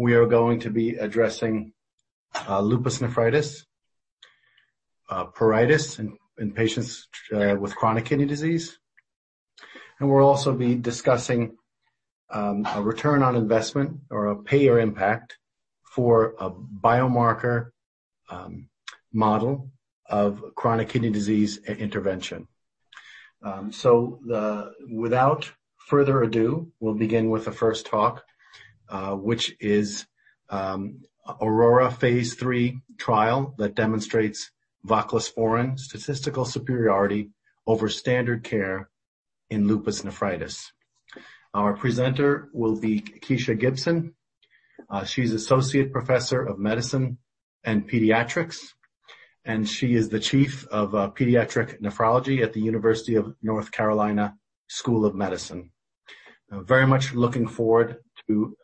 We are going to be addressing lupus nephritis, pruritus in patients with chronic kidney disease, and we'll also be discussing a return on investment or a payer impact for a biomarker model of chronic kidney disease intervention. Without further ado, we'll begin with the first talk, which is AURORA phase III Trial that Demonstrates Voclosporin Statistical Superiority over Standard Care in Lupus Nephritis. Our presenter will be Keisha Gibson. She's Associate Professor of Medicine and Pediatrics, and she is the Chief of Pediatric Nephrology at the University of North Carolina School of Medicine. I'm very much looking forward to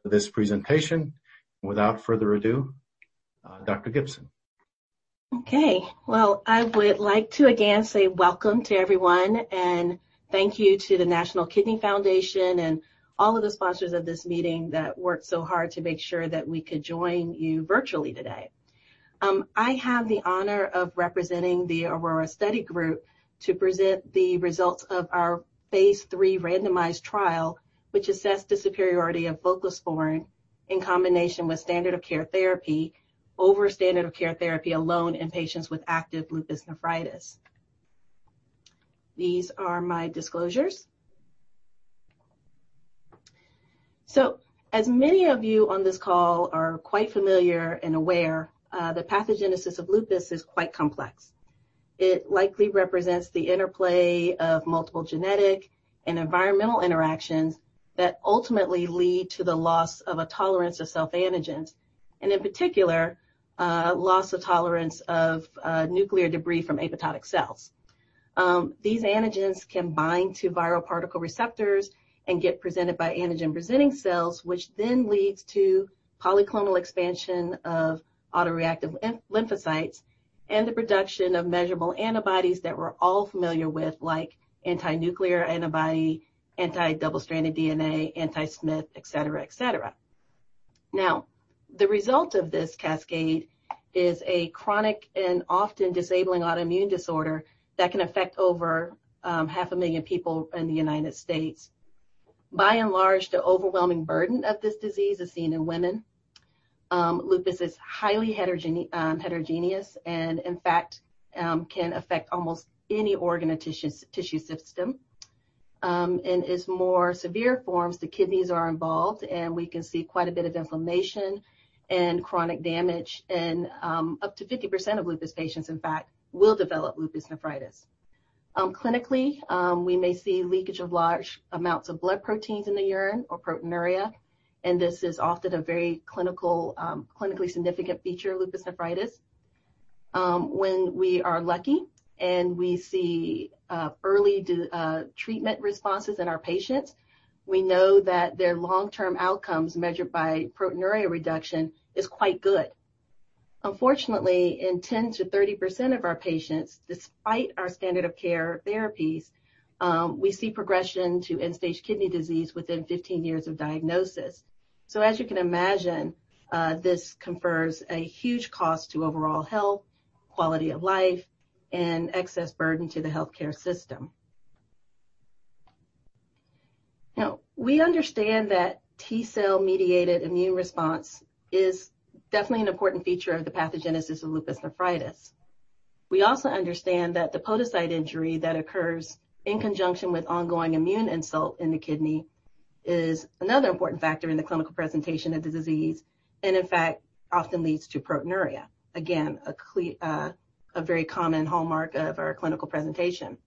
this presentation. Without further ado, Dr. Gibson. Okay. Well, I would like to again say welcome to everyone, and thank you to the National Kidney Foundation and all of the sponsors of this meeting that worked so hard to make sure that we could join you virtually today. I have the honor of representing the AURORA Study Group to present the results of our phase III randomized trial, which assessed the superiority of voclosporin in combination with standard of care therapy over standard of care therapy alone in patients with active lupus nephritis. These are my disclosures. As many of you on this call are quite familiar and aware, the pathogenesis of lupus is quite complex. It likely represents the interplay of multiple genetic and environmental interactions that ultimately lead to the loss of a tolerance of self-antigens, and in particular, loss of tolerance of nuclear debris from apoptotic cells. These antigens can bind to viral particle receptors and get presented by antigen-presenting cells, which then leads to polyclonal expansion of autoreactive lymphocytes and the production of measurable antibodies that we're all familiar with, like anti-nuclear antibody, anti-double stranded DNA, anti-Smith, et cetera. Now, the result of this cascade is a chronic and often disabling autoimmune disorder that can affect over 500,000 people in the U.S. By and large, the overwhelming burden of this disease is seen in women. Lupus is highly heterogeneous and, in fact, can affect almost any organ or tissue system, and in its more severe forms the kidneys are involved, and we can see quite a bit of inflammation and chronic damage and up to 50% of lupus patients, in fact, will develop lupus nephritis. Clinically, we may see leakage of large amounts of blood proteins in the urine or proteinuria, and this is often a very clinically significant feature of lupus nephritis. When we are lucky and we see early treatment responses in our patients, we know that their long-term outcomes measured by proteinuria reduction is quite good. Unfortunately, in 10%-30% of our patients, despite our standard of care therapies, we see progression to end-stage kidney disease within 15 years of diagnosis. As you can imagine, this confers a huge cost to overall health, quality of life, and excess burden to the healthcare system. We understand that T-cell mediated immune response is definitely an important feature of the pathogenesis of lupus nephritis. We also understand that the podocyte injury that occurs in conjunction with ongoing immune insult in the kidney is another important factor in the clinical presentation of the disease, and in fact, often leads to proteinuria. Again, a very common hallmark of our clinical presentation.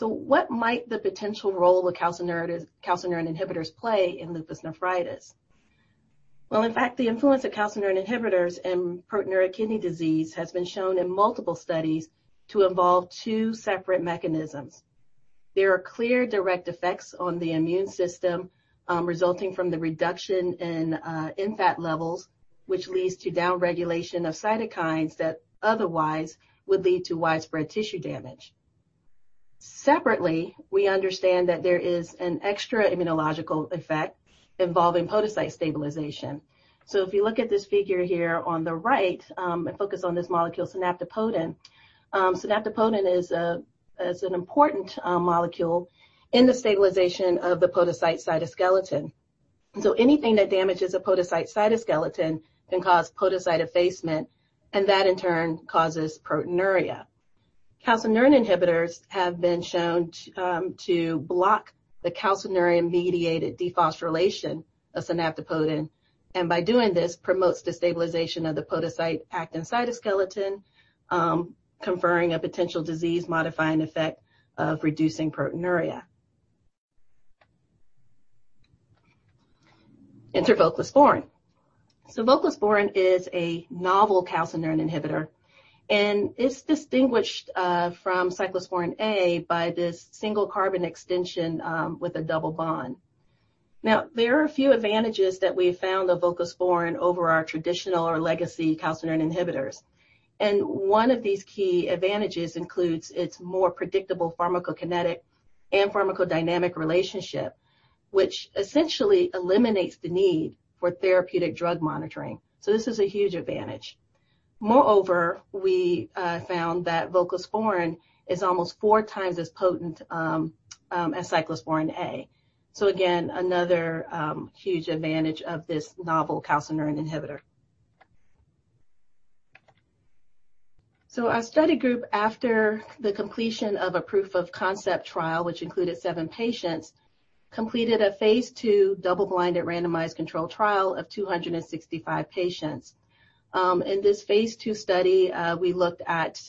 What might the potential role of calcineurin inhibitors play in lupus nephritis? In fact, the influence of calcineurin inhibitors in proteinuria kidney disease has been shown in multiple studies to involve two separate mechanisms. There are clear direct effects on the immune system, resulting from the reduction in NFAT levels, which leads to downregulation of cytokines that otherwise would lead to widespread tissue damage. Separately, we understand that there is an extra immunological effect involving podocyte stabilization. If you look at this figure here on the right, and focus on this molecule synaptopodin. Synaptopodin is an important molecule in the stabilization of the podocyte cytoskeleton. Anything that damages a podocyte cytoskeleton can cause podocyte effacement, and that in turn causes proteinuria. Calcineurin inhibitors have been shown to block the calcineurin-mediated dephosphorylation of synaptopodin, and by doing this promotes the stabilization of the podocyte actin cytoskeleton, conferring a potential disease-modifying effect of reducing proteinuria. Into voclosporin. Voclosporin is a novel calcineurin inhibitor, and it's distinguished from cyclosporine A by this single carbon extension with a double bond. Now, there are a few advantages that we've found of voclosporin over our traditional or legacy calcineurin inhibitors, and one of these key advantages includes its more predictable pharmacokinetic and pharmacodynamic relationship, which essentially eliminates the need for therapeutic drug monitoring. This is a huge advantage. Moreover, we found that voclosporin is almost four times as potent as cyclosporine A. Again, another huge advantage of this novel calcineurin inhibitor. Our study group, after the completion of a proof of concept trial, which included seven patients, completed a phase II double-blinded randomized control trial of 265 patients. In this phase II study, we looked at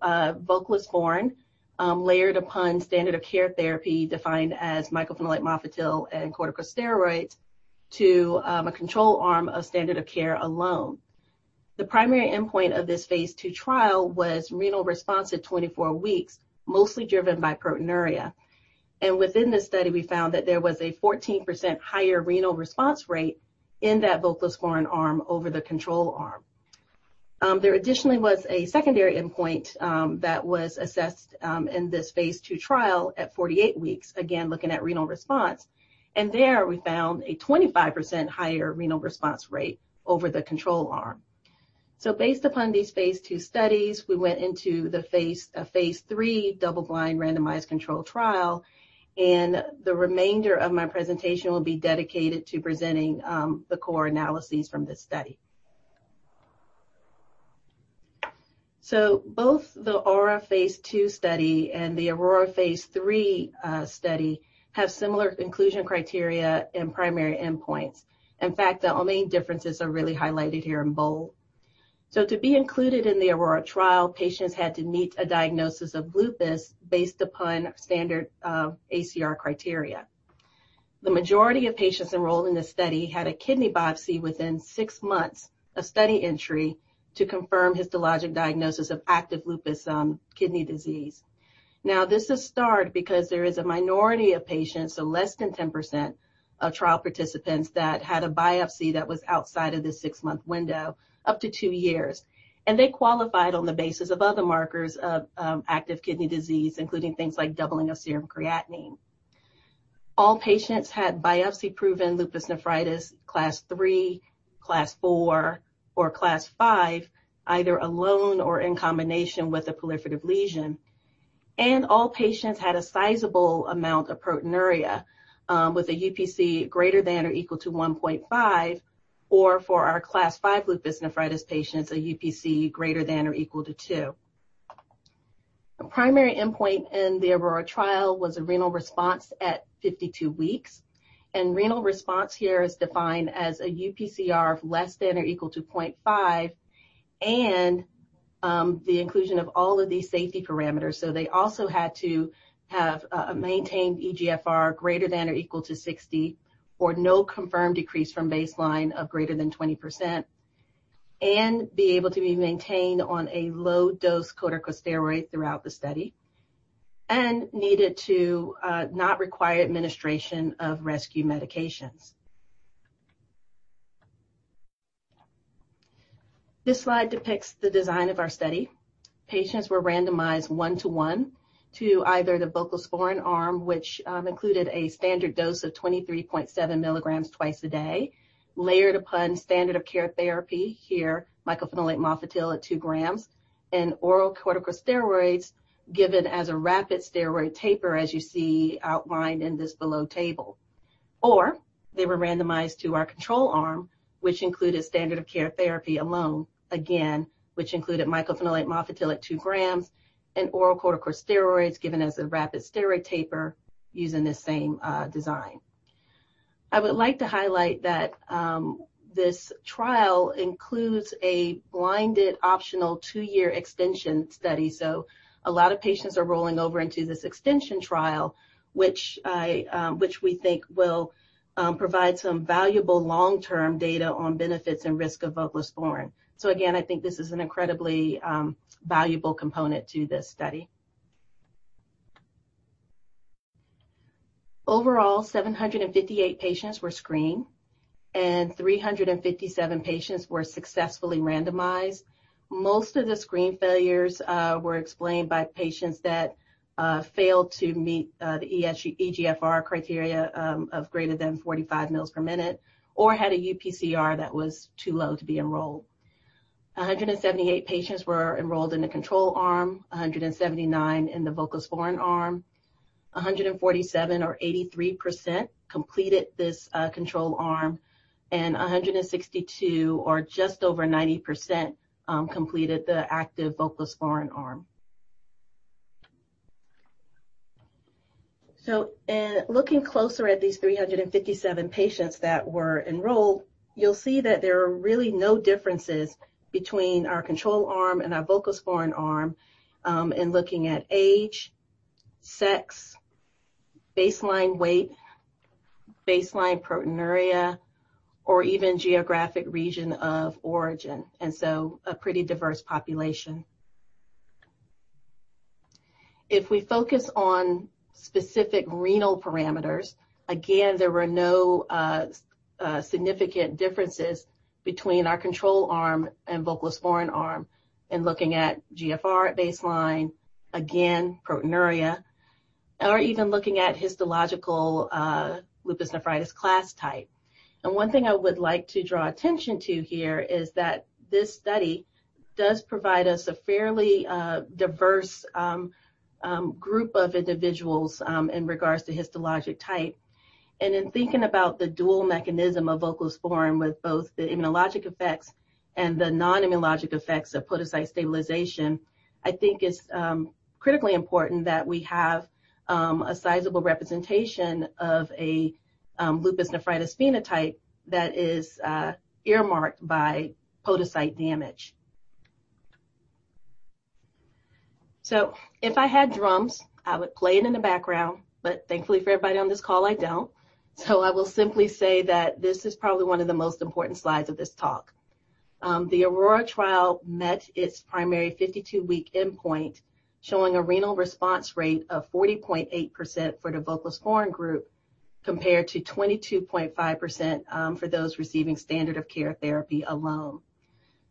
voclosporin layered upon standard of care therapy, defined as mycophenolate mofetil and corticosteroids, to a control arm of standard of care alone. The primary endpoint of this phase II trial was renal response at 24 weeks, mostly driven by proteinuria. Within this study, we found that there was a 14% higher renal response rate in that voclosporin arm over the control arm. There additionally was a secondary endpoint that was assessed in this phase II trial at 48 weeks, again, looking at renal response. There we found a 25% higher renal response rate over the control arm. Based upon these phase II studies, we went into the phase III double-blind randomized control trial, and the remainder of my presentation will be dedicated to presenting the core analyses from this study. Both the AURA phase II study and the AURORA phase III study have similar inclusion criteria and primary endpoints. In fact, the only differences are really highlighted here in bold. To be included in the AURORA trial, patients had to meet a diagnosis of lupus based upon standard ACR criteria. The majority of patients enrolled in this study had a kidney biopsy within six months of study entry to confirm histologic diagnosis of active lupus kidney disease. This is starred because there is a minority of patients, less than 10% of trial participants, that had a biopsy that was outside of the six-month window, up to two years. They qualified on the basis of other markers of active kidney disease, including things like doubling of serum creatinine. All patients had biopsy-proven lupus nephritis, Class 3, Class 4, or Class 5, either alone or in combination with a proliferative lesion. All patients had a sizable amount of proteinuria, with a UPC greater than or equal to 1.5, or for our Class 5 lupus nephritis patients, a UPC greater than or equal to two. A primary endpoint in the AURORA trial was a renal response at 52 weeks, and renal response here is defined as a UPCR of less than or equal to 0.5 and the inclusion of all of these safety parameters. They also had to have a maintained eGFR greater than or equal to 60, or no confirmed decrease from baseline of greater than 20%, and be able to be maintained on a low-dose corticosteroid throughout the study, and needed to not require administration of rescue medications. This slide depicts the design of our study. Patients were randomized one to one to either the voclosporin arm, which included a standard dose of 23.7 mg twice a day, layered upon standard of care therapy, here mycophenolate mofetil at two grams, and oral corticosteroids given as a rapid steroid taper, as you see outlined in this below table. They were randomized to our control arm, which included standard of care therapy alone, again, which included mycophenolate mofetil at two grams and oral corticosteroids given as a rapid steroid taper using the same design. I would like to highlight that this trial includes a blinded optional two-year extension study, so a lot of patients are rolling over into this extension trial, which we think will provide some valuable long-term data on benefits and risk of voclosporin. Again, I think this is an incredibly valuable component to this study. Overall, 758 patients were screened, and 357 patients were successfully randomized. Most of the screen failures were explained by patients that failed to meet the eGFR criteria of greater than 45 mils per minute or had a UPCR that was too low to be enrolled. 178 patients were enrolled in the control arm, 179 in the voclosporin arm, 147 or 83% completed this control arm, and 162, or just over 90%, completed the active voclosporin arm. Looking closer at these 357 patients that were enrolled, you'll see that there are really no differences between our control arm and our voclosporin arm in looking at age, sex, baseline weight, baseline proteinuria, or even geographic region of origin. A pretty diverse population. If we focus on specific renal parameters, again, there were no significant differences between our control arm and voclosporin arm in looking at GFR at baseline, again, proteinuria or even looking at histological lupus nephritis class type. One thing I would like to draw attention to here is that this study does provide us a fairly diverse group of individuals in regards to histologic type. In thinking about the dual mechanism of voclosporin with both the immunologic effects and the non-immunologic effects of podocyte stabilization, I think it's critically important that we have a sizable representation of a lupus nephritis phenotype that is earmarked by podocyte damage. If I had drums, I would play it in the background, but thankfully for everybody on this call, I don't. I will simply say that this is probably one of the most important slides of this talk. The AURORA trial met its primary 52-week endpoint, showing a renal response rate of 40.8% for the voclosporin group, compared to 22.5% for those receiving standard of care therapy alone.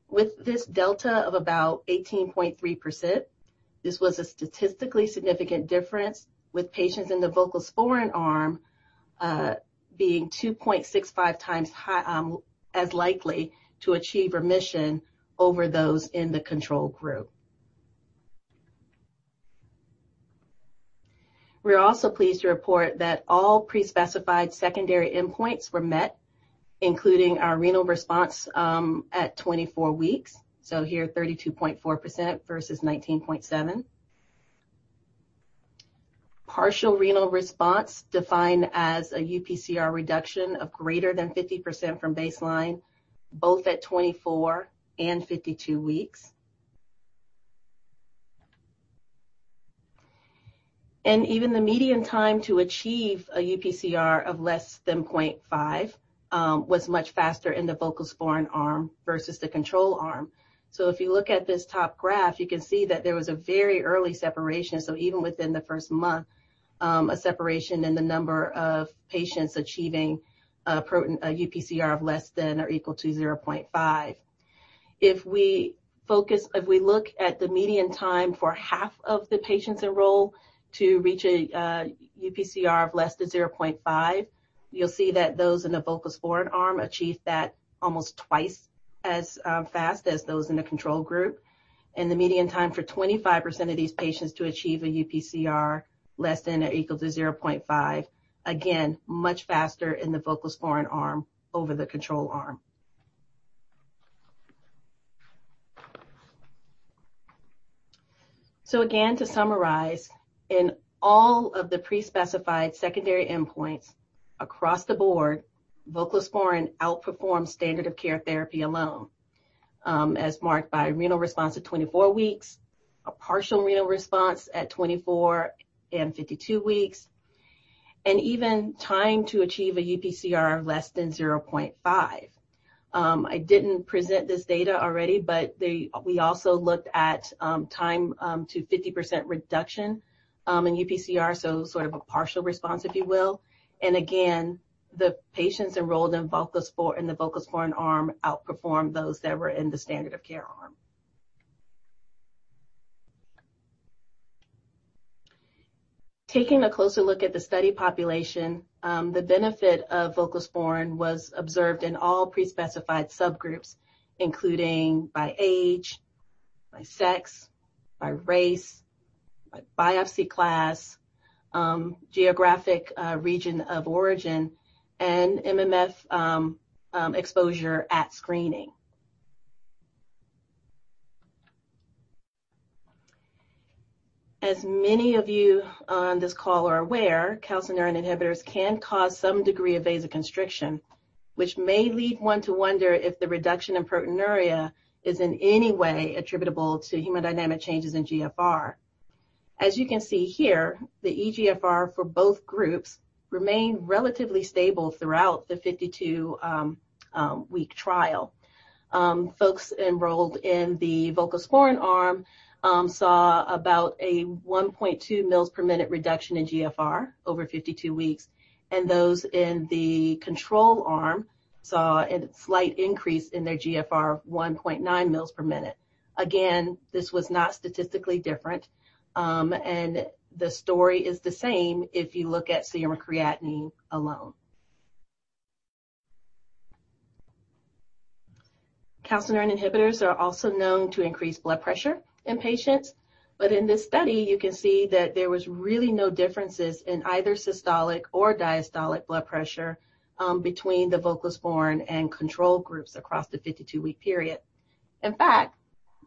With this delta of about 18.3%, this was a statistically significant difference, with patients in the voclosporin arm being 2.65x as likely to achieve remission over those in the control group. We're also pleased to report that all pre-specified secondary endpoints were met, including our renal response at 24 weeks. Here, 32.4% versus 19.7%. Partial renal response, defined as a UPCR reduction of greater than 50% from baseline, both at 24 and 52 weeks. Even the median time to achieve a UPCR of less than 0.5 was much faster in the voclosporin arm versus the control arm. If you look at this top graph, you can see that there was a very early separation. Even within the first month, a separation in the number of patients achieving a UPCR of less than or equal to 0.5. If we look at the median time for half of the patients enrolled to reach a UPCR of less than 0.5, you'll see that those in the voclosporin arm achieved that almost twice as fast as those in the control group. The median time for 25% of these patients to achieve a UPCR less than or equal to 0.5, again, much faster in the voclosporin arm over the control arm. Again, to summarize, in all of the pre-specified secondary endpoints across the board, voclosporin outperformed standard of care therapy alone, as marked by renal response at 24 weeks, a partial renal response at 24 and 52 weeks, and even time to achieve a UPCR less than 0.5. I didn't present this data already, but we also looked at time to 50% reduction in UPCR, so sort of a partial response, if you will. Again, the patients enrolled in the voclosporin arm outperformed those that were in the standard of care arm. Taking a closer look at the study population, the benefit of voclosporin was observed in all pre-specified subgroups, including by age, by sex, by race, by biopsy class, geographic region of origin, and MMF exposure at screening. As many of you on this call are aware, calcineurin inhibitors can cause some degree of vasoconstriction, which may lead one to wonder if the reduction in proteinuria is in any way attributable to hemodynamic changes in GFR. As you can see here, the eGFR for both groups remained relatively stable throughout the 52-week trial. Folks enrolled in the voclosporin arm saw about a 1.2 mils per minute reduction in GFR over 52 weeks, and those in the control arm saw a slight increase in their GFR of 1.9 mils per minute. Again, this was not statistically different. The story is the same if you look at serum creatinine alone. calcineurin inhibitors are also known to increase blood pressure in patients. In this study, you can see that there was really no differences in either systolic or diastolic blood pressure between the voclosporin and control groups across the 52-week period. In fact,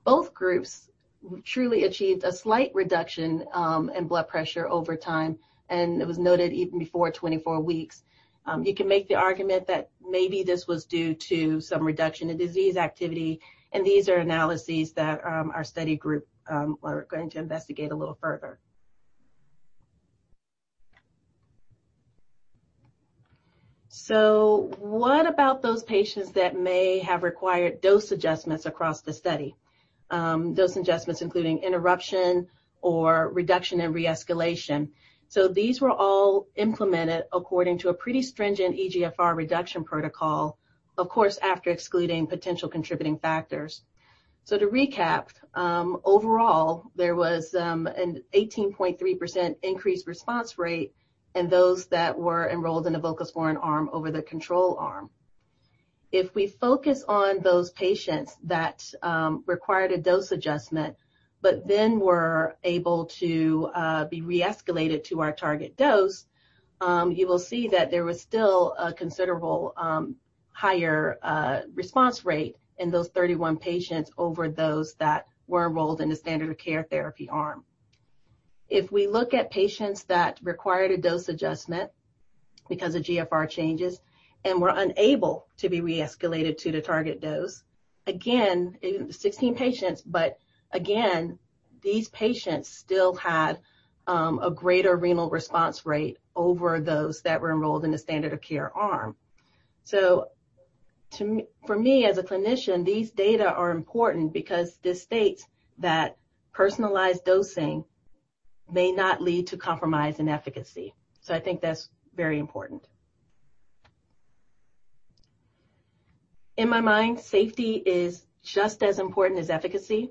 both groups truly achieved a slight reduction in blood pressure over time, and it was noted even before 24 weeks. You can make the argument that maybe this was due to some reduction in disease activity, and these are analyses that our study group are going to investigate a little further. What about those patients that may have required dose adjustments across the study? Dose adjustments including interruption or reduction and re-escalation were all implemented according to a pretty stringent eGFR reduction protocol, of course, after excluding potential contributing factors. To recap, overall, there was an 18.3% increased response rate in those that were enrolled in a voclosporin arm over the control arm. If we focus on those patients that required a dose adjustment, but then were able to be re-escalated to our target dose, you will see that there was still a considerably higher response rate in those 31 patients over those that were enrolled in the standard of care therapy arm. If we look at patients that required a dose adjustment because of GFR changes and were unable to be re-escalated to the target dose, again, 16 patients, but again, these patients still had a greater renal response rate over those that were enrolled in the standard of care arm. For me as a clinician, these data are important because this states that personalized dosing may not lead to compromise in efficacy. I think that's very important. In my mind, safety is just as important as efficacy,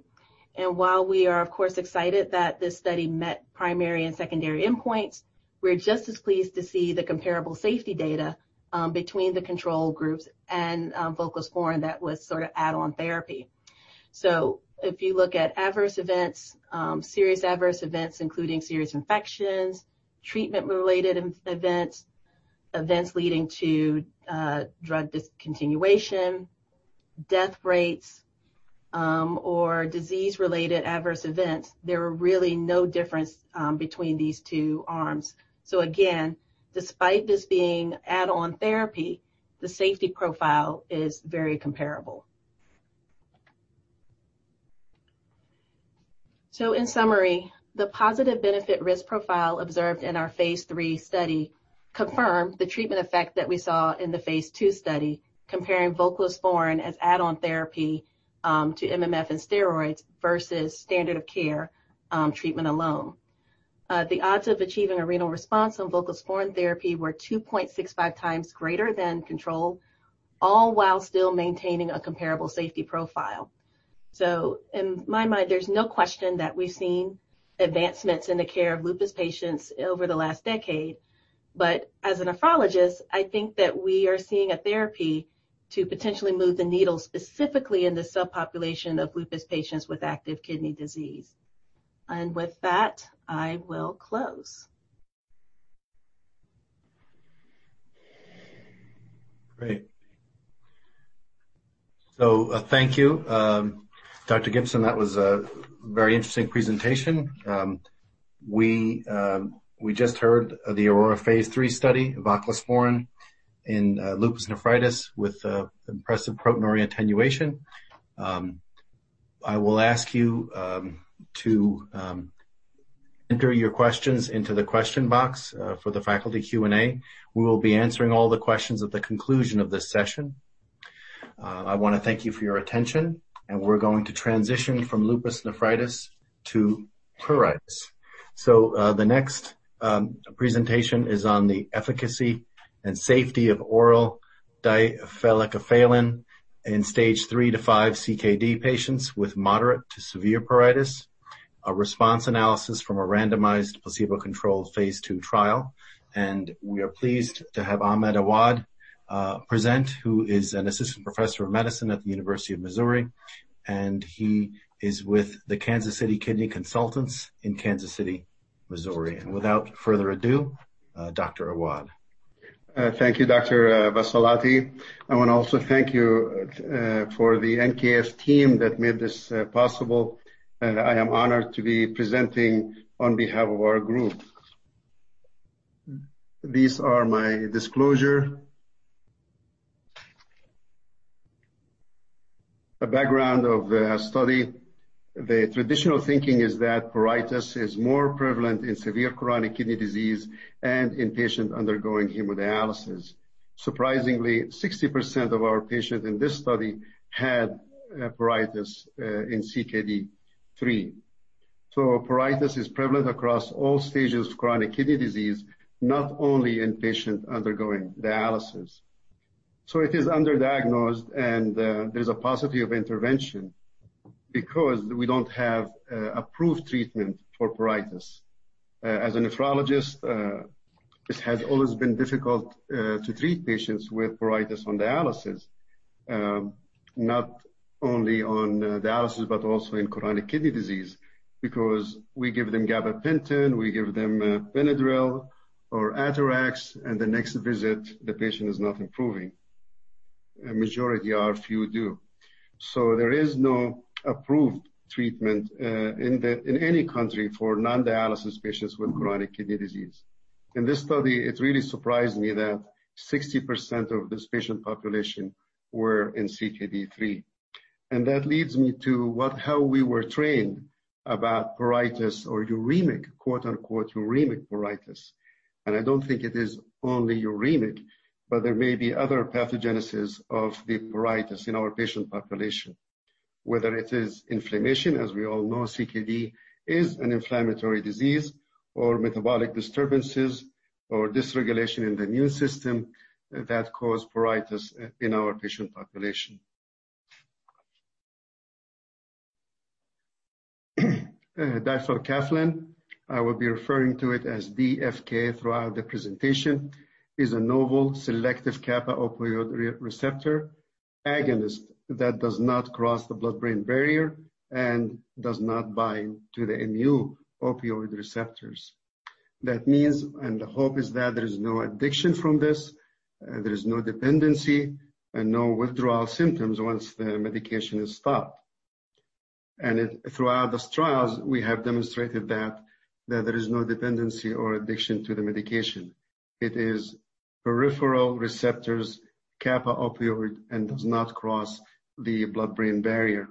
and while we are of course excited that this study met primary and secondary endpoints, we're just as pleased to see the comparable safety data between the control groups and voclosporin that was sort of add-on therapy. If you look at adverse events, serious adverse events including serious infections, treatment-related events leading to drug discontinuation, death rates, or disease-related adverse events, there are really no difference between these two arms. Again, despite this being add-on therapy, the safety profile is very comparable. In summary, the positive benefit-risk profile observed in our phase III study confirmed the treatment effect that we saw in the phase II study comparing voclosporin as add-on therapy to MMF and steroids versus standard of care treatment alone. The odds of achieving a renal response on voclosporin therapy were 2.65 times greater than control, all while still maintaining a comparable safety profile. In my mind, there's no question that we've seen advancements in the care of lupus patients over the last decade, as a nephrologist, I think that we are seeing a therapy to potentially move the needle specifically in the subpopulation of lupus patients with active kidney disease. With that, I will close. Great. Thank you, Dr. Gibson. That was a very interesting presentation. We just heard the AURORA phase III study, voclosporin in lupus nephritis with impressive proteinuria attenuation. I will ask you to enter your questions into the question box for the faculty Q&A. We will be answering all the questions at the conclusion of this session. I want to thank you for your attention, and we're going to transition from lupus nephritis to pruritus. The next presentation is on the efficacy and safety of oral difelikefalin in stage 3-5 CKD patients with moderate to severe pruritus, a response analysis from a randomized, placebo-controlled phase II trial. We are pleased to have Ahmed Awad present, who is an Assistant Professor of Medicine at the University of Missouri, and he is with the Kansas City Kidney Consultants in Kansas City, Missouri. Without further ado, Dr. Awad. Thank you, Dr. Vassalotti. I want to also thank you for the NKF team that made this possible. I am honored to be presenting on behalf of our group. These are my disclosures. A background of the study. The traditional thinking is that pruritus is more prevalent in severe chronic kidney disease and in patients undergoing hemodialysis. Surprisingly, 60% of our patients in this study had pruritus in CKD 3. Pruritus is prevalent across all stages of chronic kidney disease, not only in patients undergoing dialysis. It is underdiagnosed, and there's a paucity of intervention because we don't have approved treatment for pruritus. As a nephrologist, it has always been difficult to treat patients with pruritus on dialysis. Not only on dialysis, but also in chronic kidney disease, because we give them gabapentin, we give them BENADRYL or Atarax, and the next visit, the patient is not improving. A majority or a few do. There is no approved treatment in any country for non-dialysis patients with chronic kidney disease. In this study, it really surprised me that 60% of this patient population were in CKD 3. That leads me to how we were trained about pruritus or "uremic" pruritus. I don't think it is only uremic, but there may be other pathogenesis of the pruritus in our patient population, whether it is inflammation, as we all know CKD is an inflammatory disease, or metabolic disturbances, or dysregulation in the immune system that cause pruritus in our patient population. Difelikefalin, I will be referring to it as DFK throughout the presentation, is a novel selective kappa opioid receptor agonist that does not cross the blood-brain barrier and does not bind to the mu-opioid receptors. That means, the hope is that there is no addiction from this, there is no dependency, and no withdrawal symptoms once the medication is stopped. Throughout these trials, we have demonstrated that there is no dependency or addiction to the medication. It is peripheral receptors, kappa opioid, and does not cross the blood-brain barrier.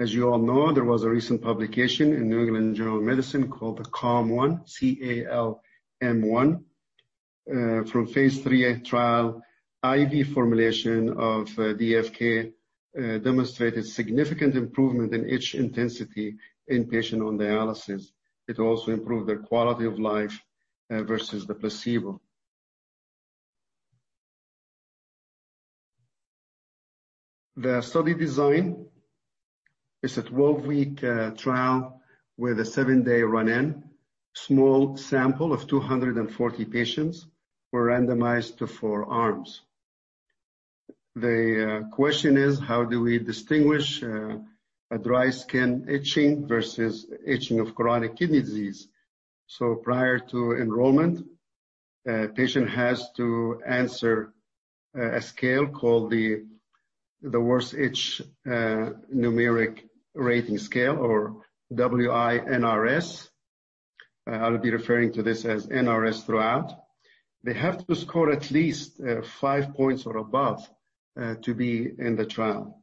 As you all know, there was a recent publication in The New England Journal of Medicine called the CALM-1, C-A-L-M-1, from phase III-A trial. IV formulation of DFK demonstrated significant improvement in itch intensity in patients on dialysis. It also improved their quality of life versus the placebo. The study design is a 12-week trial with a seven-day run-in. Small sample of 240 patients were randomized to four arms. The question is: how do we distinguish a dry skin itching versus itching of chronic kidney disease? Prior to enrollment, patient has to answer a scale called the Worst Itch Numeric Rating Scale, or WI-NRS. I'll be referring to this as NRS throughout. They have to score at least five points or above to be in the trial.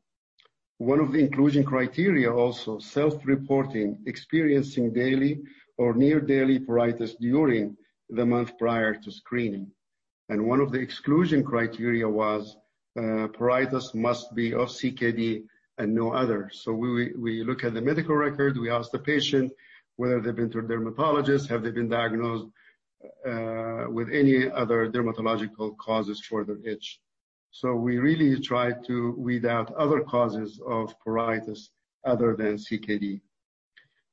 One of the inclusion criteria, also, self-reporting experiencing daily or near-daily pruritus during the month prior to screening. One of the exclusion criteria was pruritus must be of CKD and no other. We look at the medical record, we ask the patient whether they've been to a dermatologist, have they been diagnosed with any other dermatological causes for their itch. We really try to weed out other causes of pruritus other than CKD.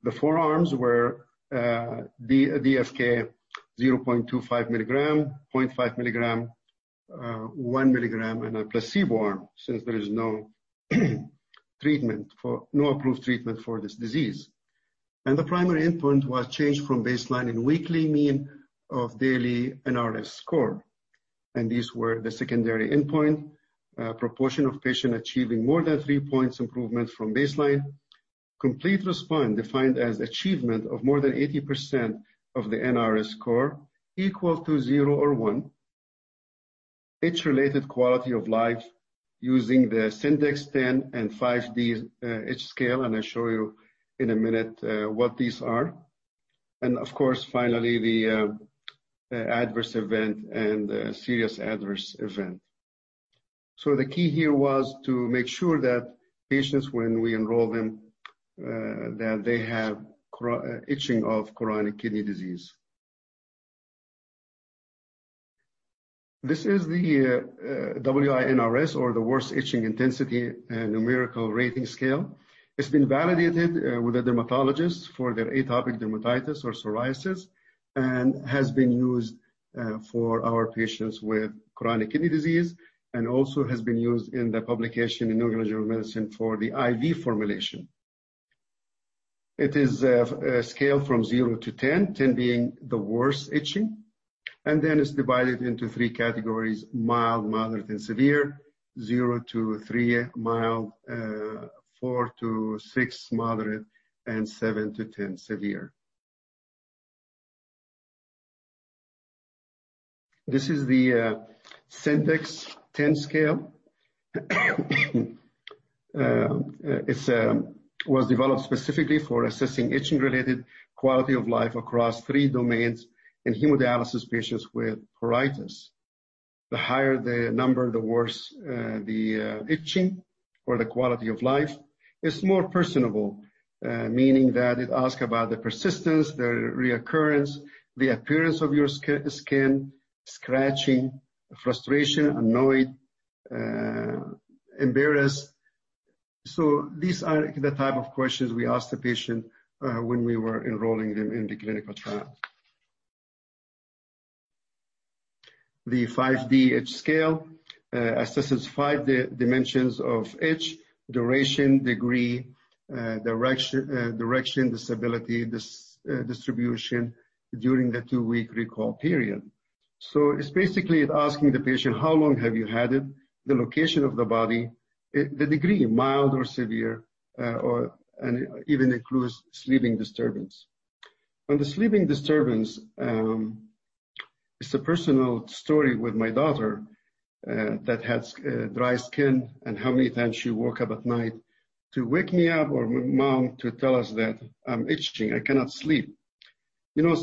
The four arms were DFK 0.25mg, 0.5 mg, 1 mg, and a placebo arm, since there is no approved treatment for this disease. The primary endpoint was change from baseline in weekly mean of daily NRS score. These were the secondary endpoint, proportion of patient achieving more than three points improvement from baseline. Complete response, defined as achievement of more than 80% of the NRS score, equal to zero or one. Itch-related quality of life using the Skindex-10 and 5-D Itch Scale, and I'll show you in a minute what these are. Of course, finally, the adverse event and serious adverse event. The key here was to make sure that patients, when we enroll them, that they have itching of chronic kidney disease. This is the WI-NRS, or the Worst Itching Intensity Numerical Rating Scale. It's been validated with the dermatologists for their atopic dermatitis or psoriasis, and has been used for our patients with chronic kidney disease, and also has been used in the publication in The New England Journal of Medicine for the IV formulation. It is a scale from 0-10, 10 being the worst itching, and then it's divided into three categories: mild, moderate, and severe. zero to three, mild. Four to six, moderate. 7-10, severe. This is the Skindex-10 scale. It was developed specifically for assessing itching-related quality of life across three domains in hemodialysis patients with pruritus. The higher the number, the worse the itching or the quality of life. It's more personable, meaning that it asks about the persistence, the reoccurrence, the appearance of your skin, scratching, frustration, annoyed, embarrassed. These are the type of questions we asked the patient when we were enrolling them in the clinical trial. The 5-D Itch Scale assesses five dimensions of itch, duration, degree, direction, disability, distribution, during the two-week recall period. It's basically asking the patient, how long have you had it, the location of the body, the degree, mild or severe, and even includes sleeping disturbance. On the sleeping disturbance, it's a personal story with my daughter that has dry skin and how many times she woke up at night to wake me up or mom to tell us that, "I'm itching, I cannot sleep."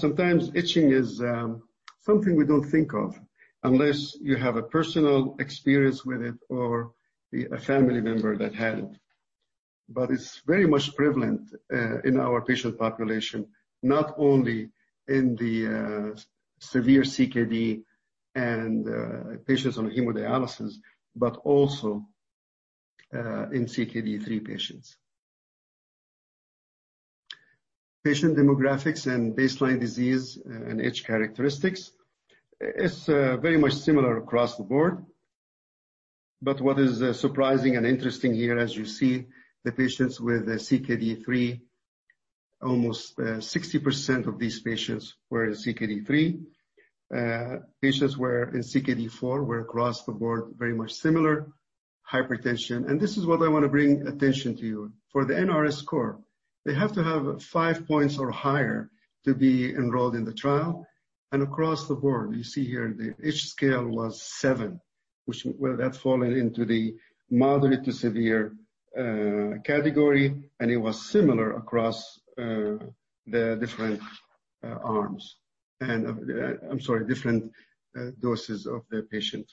Sometimes itching is something we don't think of unless you have a personal experience with it or a family member that had it. It's very much prevalent in our patient population, not only in the severe CKD and patients on hemodialysis, but also in CKD 3 patients. Patient demographics and baseline disease and itch characteristics is very much similar across the board. What is surprising and interesting here, as you see, the patients with CKD 3, almost 60% of these patients were in CKD 3. Patients were in CKD 4 were across the board very much similar. Hypertension, and this is what I want to bring attention to. For the NRS score, they have to have five points or higher to be enrolled in the trial, and across the board, you see here, the itch scale was seven, that falling into the moderate to severe category, and it was similar across the different arms and, I'm sorry, different doses of the patient.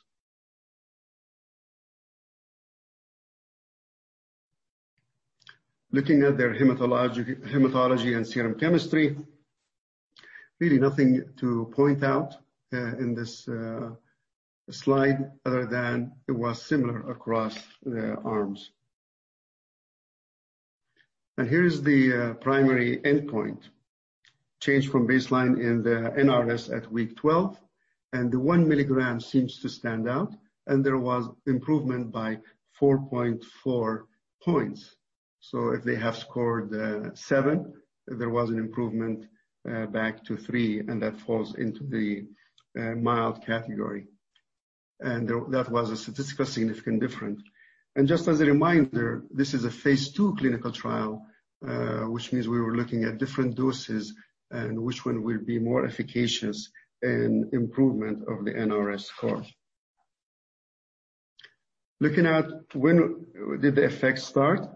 Looking at their hematology and serum chemistry, really nothing to point out in this slide other than it was similar across the arms. Here's the primary endpoint. Change from baseline in the NRS at week 12, and the 1 mg seems to stand out, and there was improvement by 4.4 points. If they have scored seven, there was an improvement back to three, and that falls into the mild category. That was a statistically significant difference. Just as a reminder, this is a phase II clinical trial, which means we were looking at different doses and which one will be more efficacious in improvement of the NRS score. Looking at when did the effects start,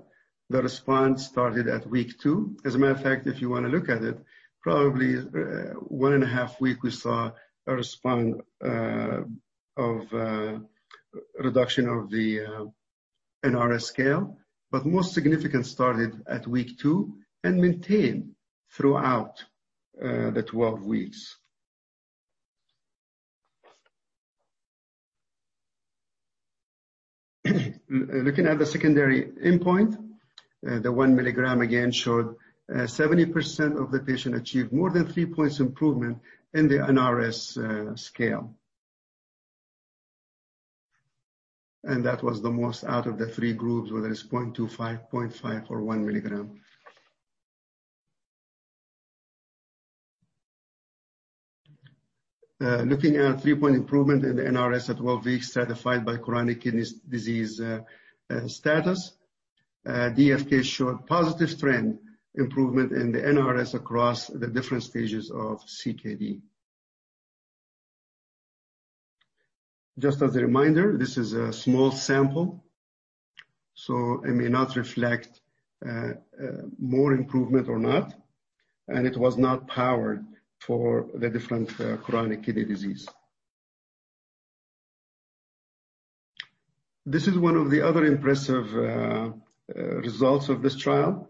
the response started at week two. As a matter of fact, if you want to look at it, probably one and a half weeks, we saw a response of reduction of the NRS scale. Most significant started at week two and maintained throughout the 12 weeks. Looking at the secondary endpoint, the 1 mg again showed 70% of the patient achieved more than 3 points improvement in the NRS scale. That was the most out of the three groups, whether it's 0.25, 0.5, or 1 mg. Looking at three-point improvement in the NRS at 12 weeks stratified by CKD status. DFK showed positive trend improvement in the NRS across the different stages of CKD. Just as a reminder, this is a small sample, so it may not reflect more improvement or not, and it was not powered for the different CKD. This is one of the other impressive results of this trial.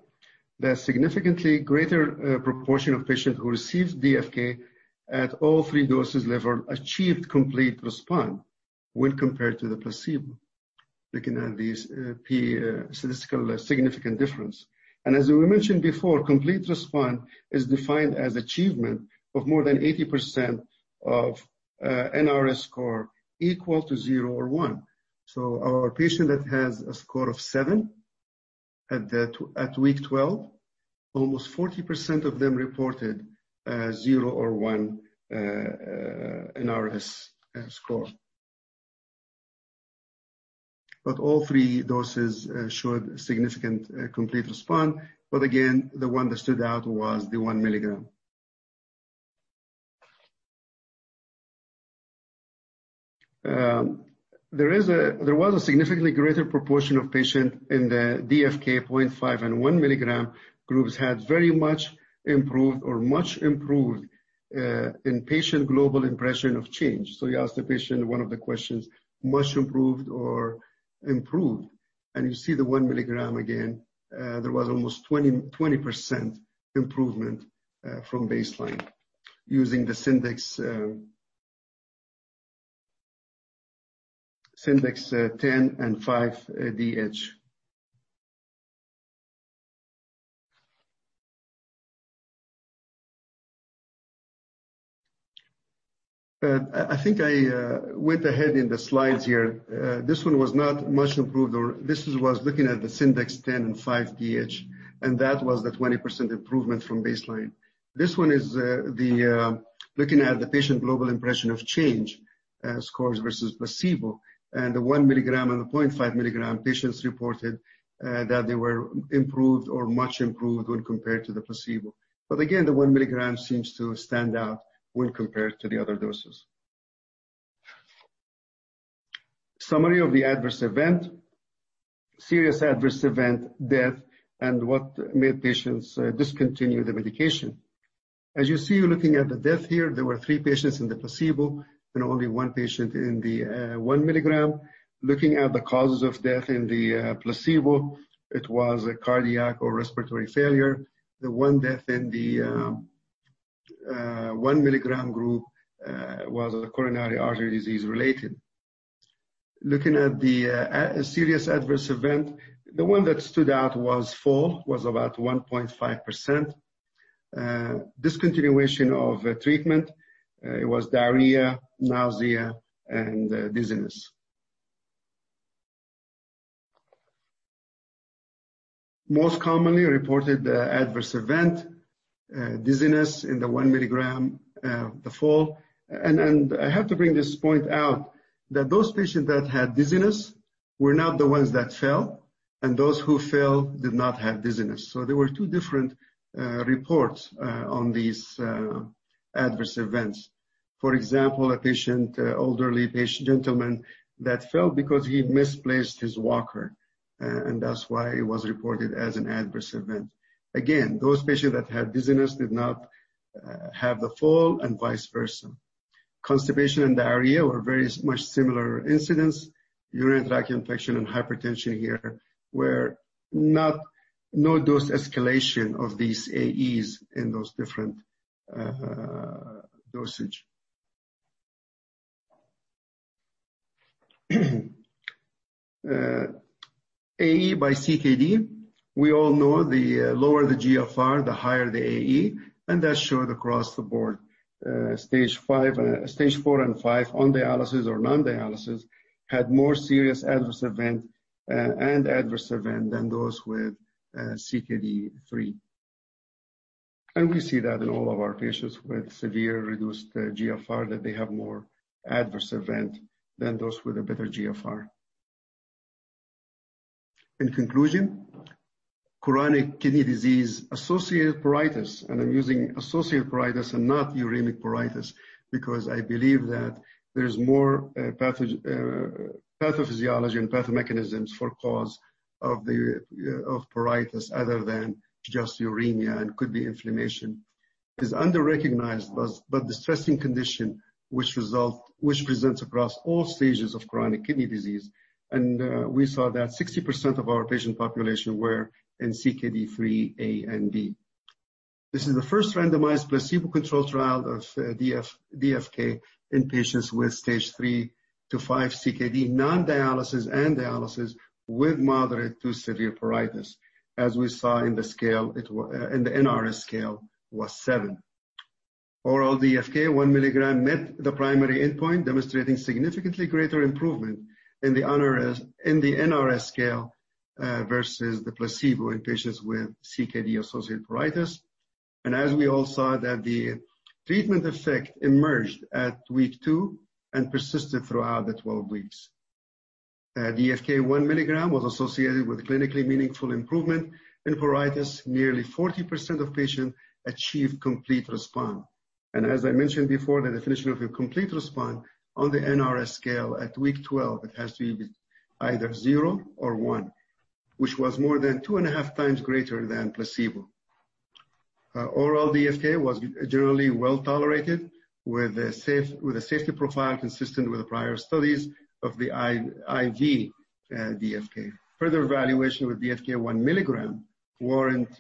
The significantly greater proportion of patients who received DFK at all three doses level achieved complete response when compared to the placebo. Looking at these p statistical significant difference. As we mentioned before, complete response is defined as achievement of more than 80% of NRS score equal to zero or one. Our patient that has a score of seven at week 12, almost 40% of them reported a zero or one NRS score. All three doses showed significant complete response. Again, the one that stood out was the 1 mg. There was a significantly greater proportion of patient in the DFK 0.5 and 1 mg groups had very much improved or much improved in Patient Global Impression of Change. You ask the patient one of the questions, much improved or improved, and you see the 1 mg again, there was almost 20% improvement from baseline using the Skindex-10 and 5-D Itch Scale. I think I went ahead in the slides here. This one was not much improved, or this was looking at the Skindex-10 and 5-D Itch Scale. That was the 20% improvement from baseline. This one is looking at the Patient Global Impression of Change scores versus placebo. The 1 mg and the 0.5 mg patients reported that they were improved or much improved when compared to the placebo. Again, the 1 mg seems to stand out when compared to the other doses. Summary of the adverse event. Serious adverse event, death, and what made patients discontinue the medication. As you see, looking at the death here, there were three patients in the placebo and only one patient in the 1 mg. Looking at the causes of death in the placebo, it was a cardiac or respiratory failure. The one death in the 1 mg group was coronary artery disease-related. Looking at the serious adverse event, the one that stood out was fall, was about 1.5%. Discontinuation of treatment, it was diarrhea, nausea, and dizziness. Most commonly reported adverse event, dizziness. In the 1 mg, the fall. I have to bring this point out that those patients that had dizziness were not the ones that fell, and those who fell did not have dizziness. They were two different reports on these adverse events. For example, an elderly gentleman that fell because he misplaced his walker, and that's why it was reported as an adverse event. Again, those patients that had dizziness did not have the fall, and vice versa. Constipation and diarrhea were very much similar incidents. Urinary tract infection and hypertension here were no dose escalation of these AEs in those different dosage. AE by CKD. We all know the lower the GFR, the higher the AE, and that's showed across the board. Stage 4 and 5, on dialysis or non-dialysis, had more serious adverse event and adverse event than those with CKD 3. We see that in all of our patients with severe reduced GFR, that they have more adverse event than those with a better GFR. In conclusion, chronic kidney disease-associated pruritus, and I'm using associated pruritus and not uremic pruritus because I believe that there's more pathophysiology and pathomechanisms for cause of pruritus other than just uremia, and could be inflammation. It is under-recognized but distressing condition which presents across all stages of chronic kidney disease. We saw that 60% of our patient population were in CKD 3A and B. This is the first randomized placebo-controlled trial of DFK in patients with Stage 3 to 5 CKD, non-dialysis and dialysis, with moderate to severe pruritus. As we saw in the NRS scale, was 7. Oral DFK 1 mg met the primary endpoint, demonstrating significantly greater improvement in the NRS scale versus the placebo in patients with CKD-associated pruritus. As we all saw that the treatment effect emerged at week two and persisted throughout the 12 weeks. DFK 1 mg was associated with clinically meaningful improvement in pruritus. Nearly 40% of patients achieved complete response. As I mentioned before, the definition of a complete response on the NRS scale at week 12, it has to be either zero or one, which was more than 2.5x greater than placebo. Oral DFK was generally well-tolerated with a safety profile consistent with the prior studies of the IV DFK. Further evaluation with DFK 1 mg warranted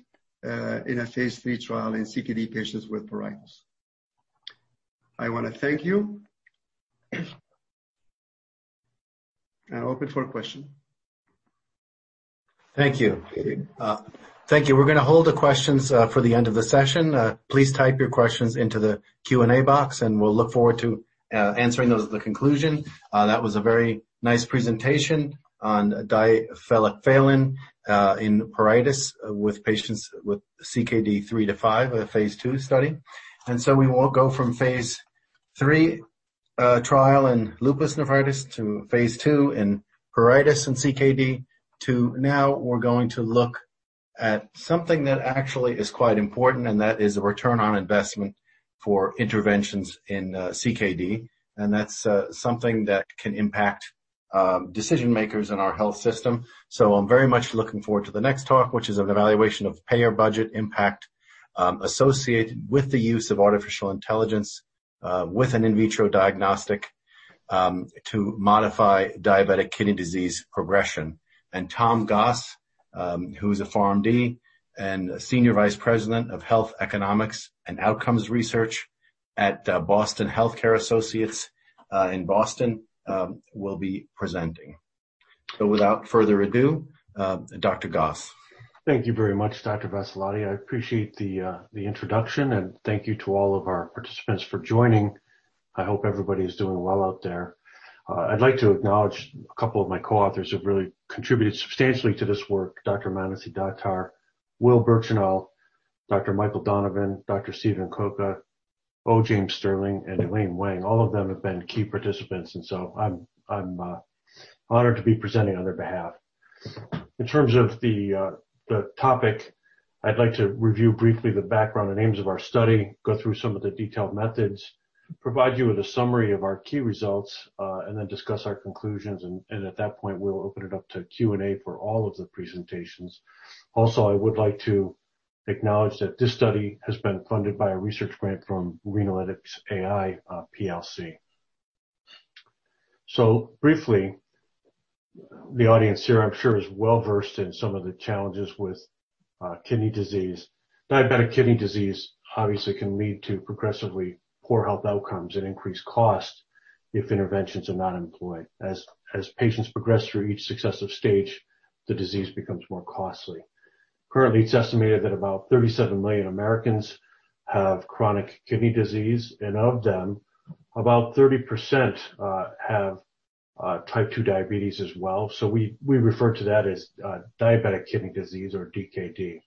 in a phase III trial in CKD patients with pruritus. I want to thank you. Open for a question. Thank you. Thank you. We're going to hold the questions for the end of the session. Please type your questions into the Q&A box, and we'll look forward to answering those at the conclusion. That was a very nice presentation on difelikefalin in pruritus with patients with CKD 3 to 5, a phase II study. We will go from phase III trial in lupus nephritis to phase II in pruritus and CKD, to now we're going to look at something that actually is quite important, and that is the return on investment for interventions in CKD. That's something that can impact decision-makers in our health system. I'm very much looking forward to the next talk, which is an evaluation of payer budget impact associated with the use of artificial intelligence with an in vitro diagnostic to modify diabetic kidney disease progression. Tom Goss, who is a PharmD and Senior Vice President of Health Economics and Outcomes Research at Boston Healthcare Associates in Boston, will be presenting. Without further ado, Dr. Goss. Thank you very much, Dr. Vassalotti. I appreciate the introduction, and thank you to all of our participants for joining. I hope everybody's doing well out there. I'd like to acknowledge a couple of my co-authors who've really contributed substantially to this work. Dr. Manasi Datta, Will Birchenough, Dr. Michael Donovan, Dr. Steven Coca, O. James Sterling, and Elaine Wang. All of them have been key participants. I'm honored to be presenting on their behalf. In terms of the topic, I'd like to review briefly the background and aims of our study, go through some of the detailed methods, provide you with a summary of our key results, and then discuss our conclusions. At that point, we'll open it up to Q&A for all of the presentations. Also, I would like to acknowledge that this study has been funded by a research grant from Renalytix plc. Briefly, the audience here, I'm sure, is well-versed in some of the challenges with kidney disease. Diabetic kidney disease obviously can lead to progressively poor health outcomes and increased cost if interventions are not employed. As patients progress through each successive stage, the disease becomes more costly. Currently, it's estimated that about 37 million Americans have chronic kidney disease, and of them, about 30% have type 2 diabetes as well. We refer to that as diabetic kidney disease or DKD.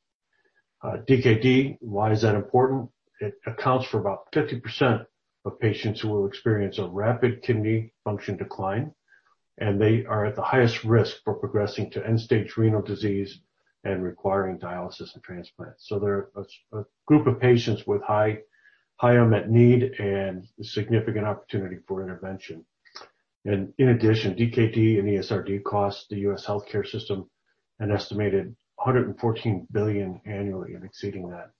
DKD, why is that important? It accounts for about 50% of patients who will experience a rapid kidney function decline, and they are at the highest risk for progressing to end-stage renal disease and requiring dialysis and transplant. They're a group of patients with high unmet need and a significant opportunity for intervention. In addition, DKD and ESRD cost the U.S. healthcare system an estimated $114 billion annually and exceeding that.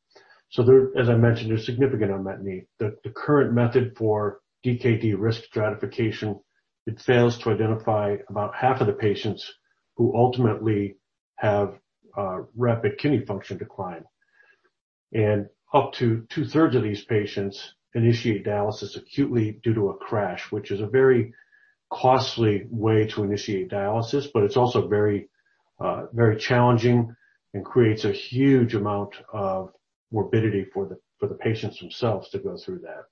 As I mentioned, there's significant unmet need. The current method for DKD risk stratification, it fails to identify about half of the patients who ultimately have rapid kidney function decline. Up to two-thirds of these patients initiate dialysis acutely due to a crash, which is a very costly way to initiate dialysis, but it's also very challenging and creates a huge amount of morbidity for the patients themselves to go through that.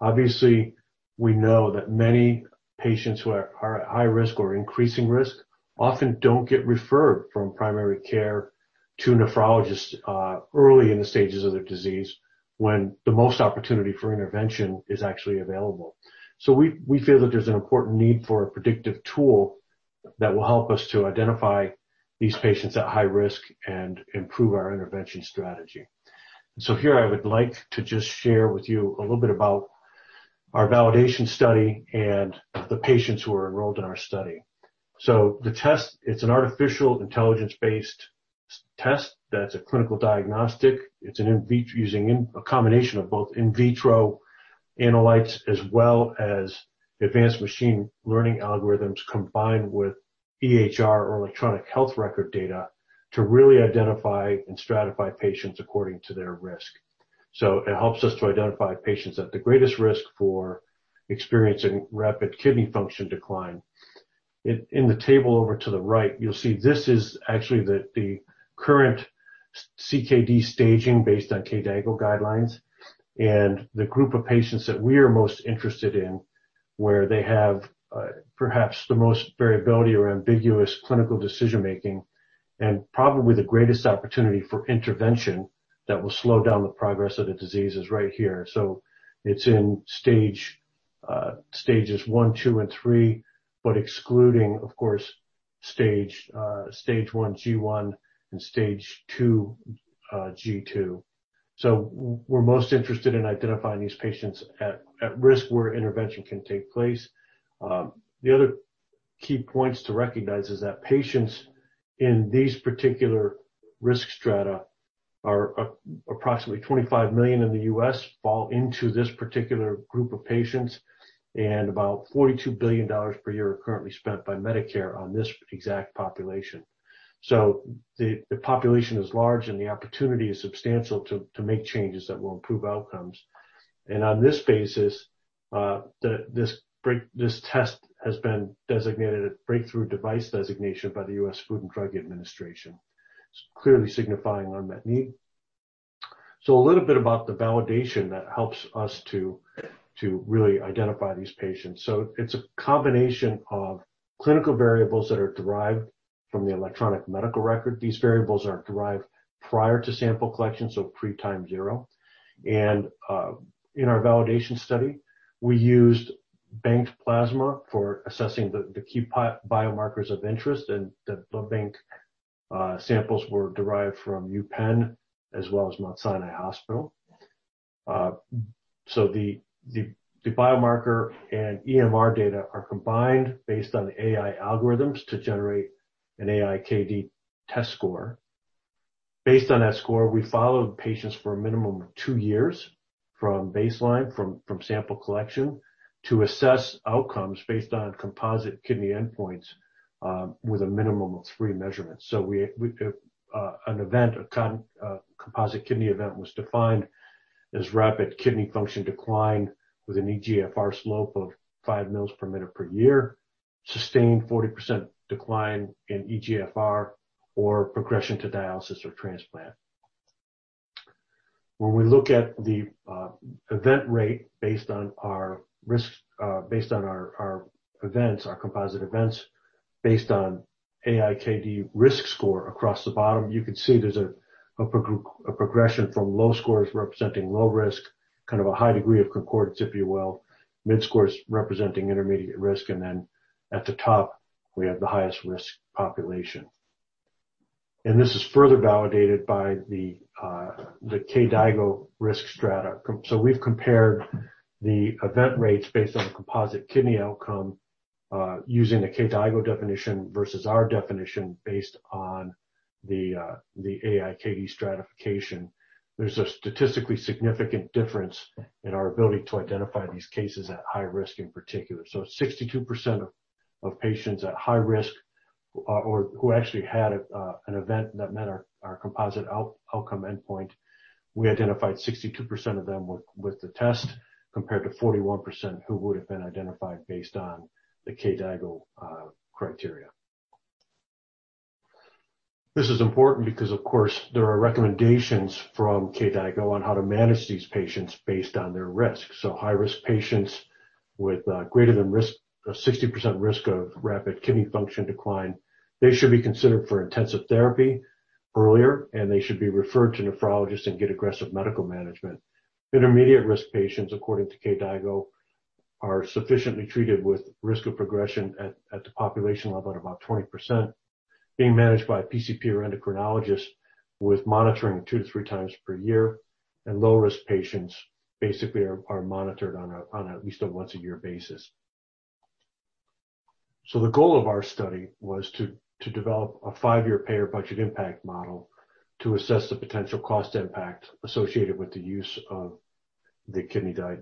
Obviously, we know that many patients who are at high risk or increasing risk often don't get referred from primary care to nephrologists early in the stages of their disease when the most opportunity for intervention is actually available. We feel that there's an important need for a predictive tool that will help us to identify these patients at high risk and improve our intervention strategy. Here I would like to just share with you a little bit about our validation study and the patients who are enrolled in our study. The test, it's an artificial intelligence-based test that's a clinical diagnostic. It's using a combination of both in vitro analytes as well as advanced machine learning algorithms combined with EHR or electronic health record data to really identify and stratify patients according to their risk. It helps us to identify patients at the greatest risk for experiencing rapid kidney function decline. In the table over to the right, you'll see this is actually the current CKD staging based on KDIGO guidelines, and the group of patients that we are most interested in, where they have perhaps the most variability or ambiguous clinical decision-making and probably the greatest opportunity for intervention that will slow down the progress of the disease, is right here. It's in stages 1, 2, and 3, but excluding, of course, stage 1G1 and stage 2G2. We're most interested in identifying these patients at risk where intervention can take place. The other key points to recognize is that patients in these particular risk strata are approximately 25 million in the U.S. fall into this particular group of patients, and about $42 billion per year are currently spent by Medicare on this exact population. The population is large, and the opportunity is substantial to make changes that will improve outcomes. On this basis, this test has been designated a breakthrough device designation by the U.S. Food and Drug Administration. It's clearly signifying unmet need. A little bit about the validation that helps us to really identify these patients. It's a combination of clinical variables that are derived from the electronic medical record. These variables are derived prior to sample collection, so pre-time zero. In our validation study, we used banked plasma for assessing the key biomarkers of interest, and the bank samples were derived from UPenn as well as Mount Sinai Hospital. The biomarker and EMR data are combined based on AI algorithms to generate an AI-KD test score. Based on that score, we followed patients for a minimum of two years from baseline, from sample collection, to assess outcomes based on composite kidney endpoints with a minimum of three measurements. An event, a composite kidney event was defined as rapid kidney function decline with an eGFR slope of five mils per minute per year, sustained 40% decline in eGFR or progression to dialysis or transplant. When we look at the event rate based on our composite events based on AI-KD risk score across the bottom, you can see there's a progression from low scores representing low risk, a high degree of concordance, if you will, mid scores representing intermediate risk, at the top, we have the highest risk population. This is further validated by the KDIGO risk strata. We've compared the event rates based on the composite kidney outcome, using the KDIGO definition versus our definition based on the AI-KD stratification. There's a statistically significant difference in our ability to identify these cases at high risk in particular. 62% of patients at high risk or who actually had an event that met our composite outcome endpoint, we identified 62% of them with the test, compared to 41% who would've been identified based on the KDIGO criteria. This is important because of course, there are recommendations from KDIGO on how to manage these patients based on their risk. High-risk patients with greater than 60% risk of rapid kidney function decline, they should be considered for intensive therapy earlier, and they should be referred to nephrologists and get aggressive medical management. Intermediate-risk patients, according to KDIGO, are sufficiently treated with risk of progression at the population level at about 20%, being managed by a PCP or endocrinologist with monitoring two to three times per year. Low-risk patients basically are monitored on at least a once-a-year basis. The goal of our study was to develop a five-year payer budget impact model to assess the potential cost impact associated with the use of the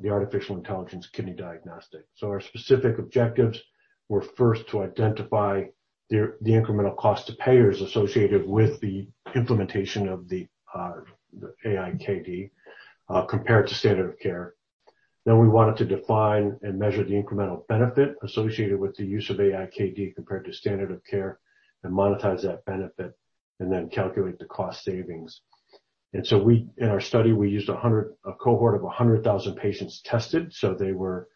artificial intelligence kidney diagnostic. Our specific objectives were first to identify the incremental cost to payers associated with the implementation of the AI-KD compared to standard of care. We wanted to define and measure the incremental benefit associated with the use of AI-KD compared to standard of care and monetize that benefit, and then calculate the cost savings. In our study, we used a cohort of 100,000 patients tested. They were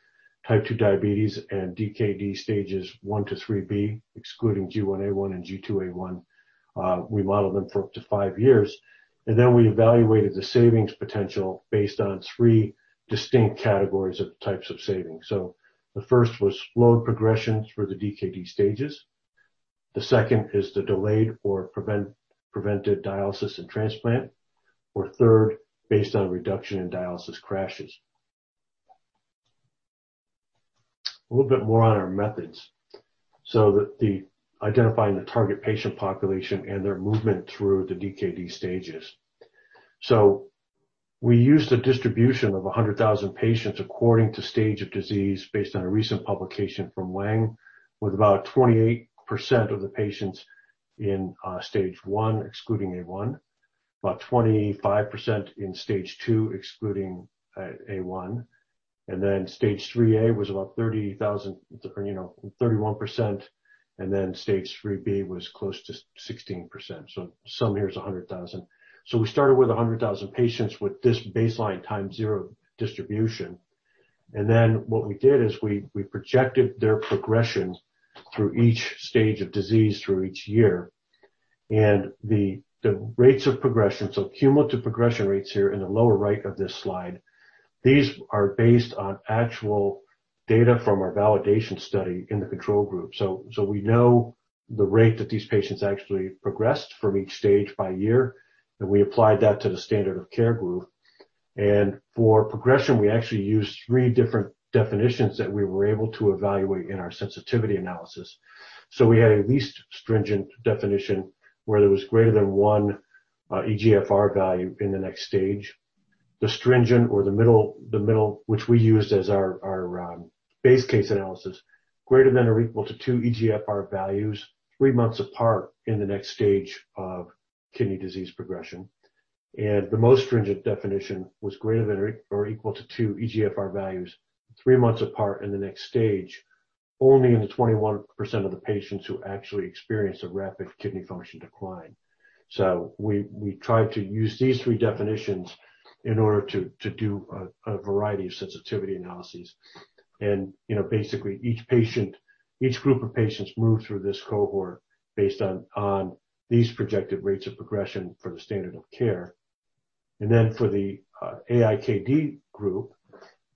type 2 diabetes and DKD stages 1 to 3b, excluding G1A1 and G2A1. We modeled them for up to five years, and then we evaluated the savings potential based on three distinct categories of types of savings. The first was slowed progressions for the DKD stages. The second is the delayed or prevented dialysis and transplant, or third, based on a reduction in dialysis crashes. A little bit more on our methods. Identifying the target patient population and their movement through the DKD stages. We used a distribution of 100,000 patients according to stage of disease based on a recent publication from Wang, with about 28% of the patients in stage 1, excluding A1, about 25% in stage 2, excluding A1, and then stage 3a was about 31%, and then stage 3b was close to 16%. The sum here is 100,000. We started with 100,000 patients with this baseline times zero distribution, and then what we did is we projected their progression through each stage of disease through each year. The rates of progression, so cumulative progression rates here in the lower right of this slide, these are based on actual data from our validation study in the control group. We know the rate that these patients actually progressed from each stage by year, and we applied that to the standard of care group. For progression, we actually used three different definitions that we were able to evaluate in our sensitivity analysis. We had a least stringent definition where there was greater than one eGFR value in the next stage. The stringent or the middle, which we used as our base case analysis, greater than or equal to two eGFR values three months apart in the next stage of kidney disease progression. The most stringent definition was greater than or equal to two eGFR values three months apart in the next stage, only in the 21% of the patients who actually experienced a rapid kidney function decline. We tried to use these three definitions in order to do a variety of sensitivity analyses. Basically each group of patients moved through this cohort based on these projected rates of progression for the standard of care. For the AI-KD group,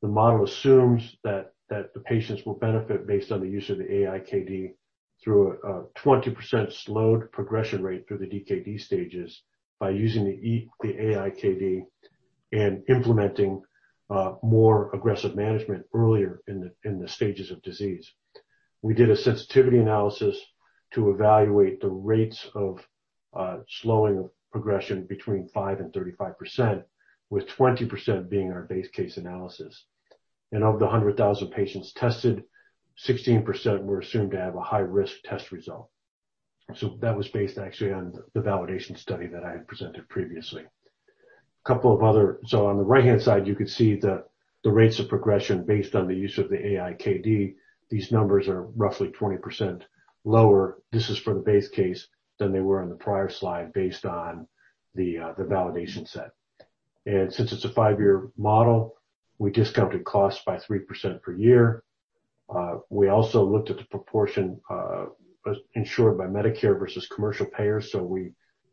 the model assumes that the patients will benefit based on the use of the AI-KD through a 20% slowed progression rate through the DKD stages by using the AI-KD and implementing more aggressive management earlier in the stages of disease. We did a sensitivity analysis to evaluate the rates of slowing of progression between 5% and 35%, with 20% being our base case analysis. Of the 100,000 patients tested, 16% were assumed to have a high-risk test result. That was based actually on the validation study that I had presented previously. On the right-hand side, you could see The rates of progression based on the use of the AI-KD, these numbers are roughly 20% lower, this is for the base case, than they were on the prior slide based on the validation set. Since it's a five-year model, we discounted costs by 3% per year. We also looked at the proportion insured by Medicare versus commercial payers.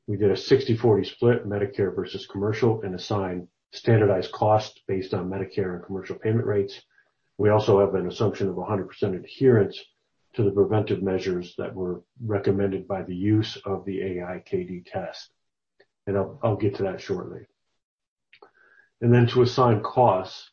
We did a 60/40 split Medicare versus commercial and assigned standardized costs based on Medicare and commercial payment rates. We also have an assumption of 100% adherence to the preventive measures that were recommended by the use of the AI-KD test. I'll get to that shortly. To assign costs,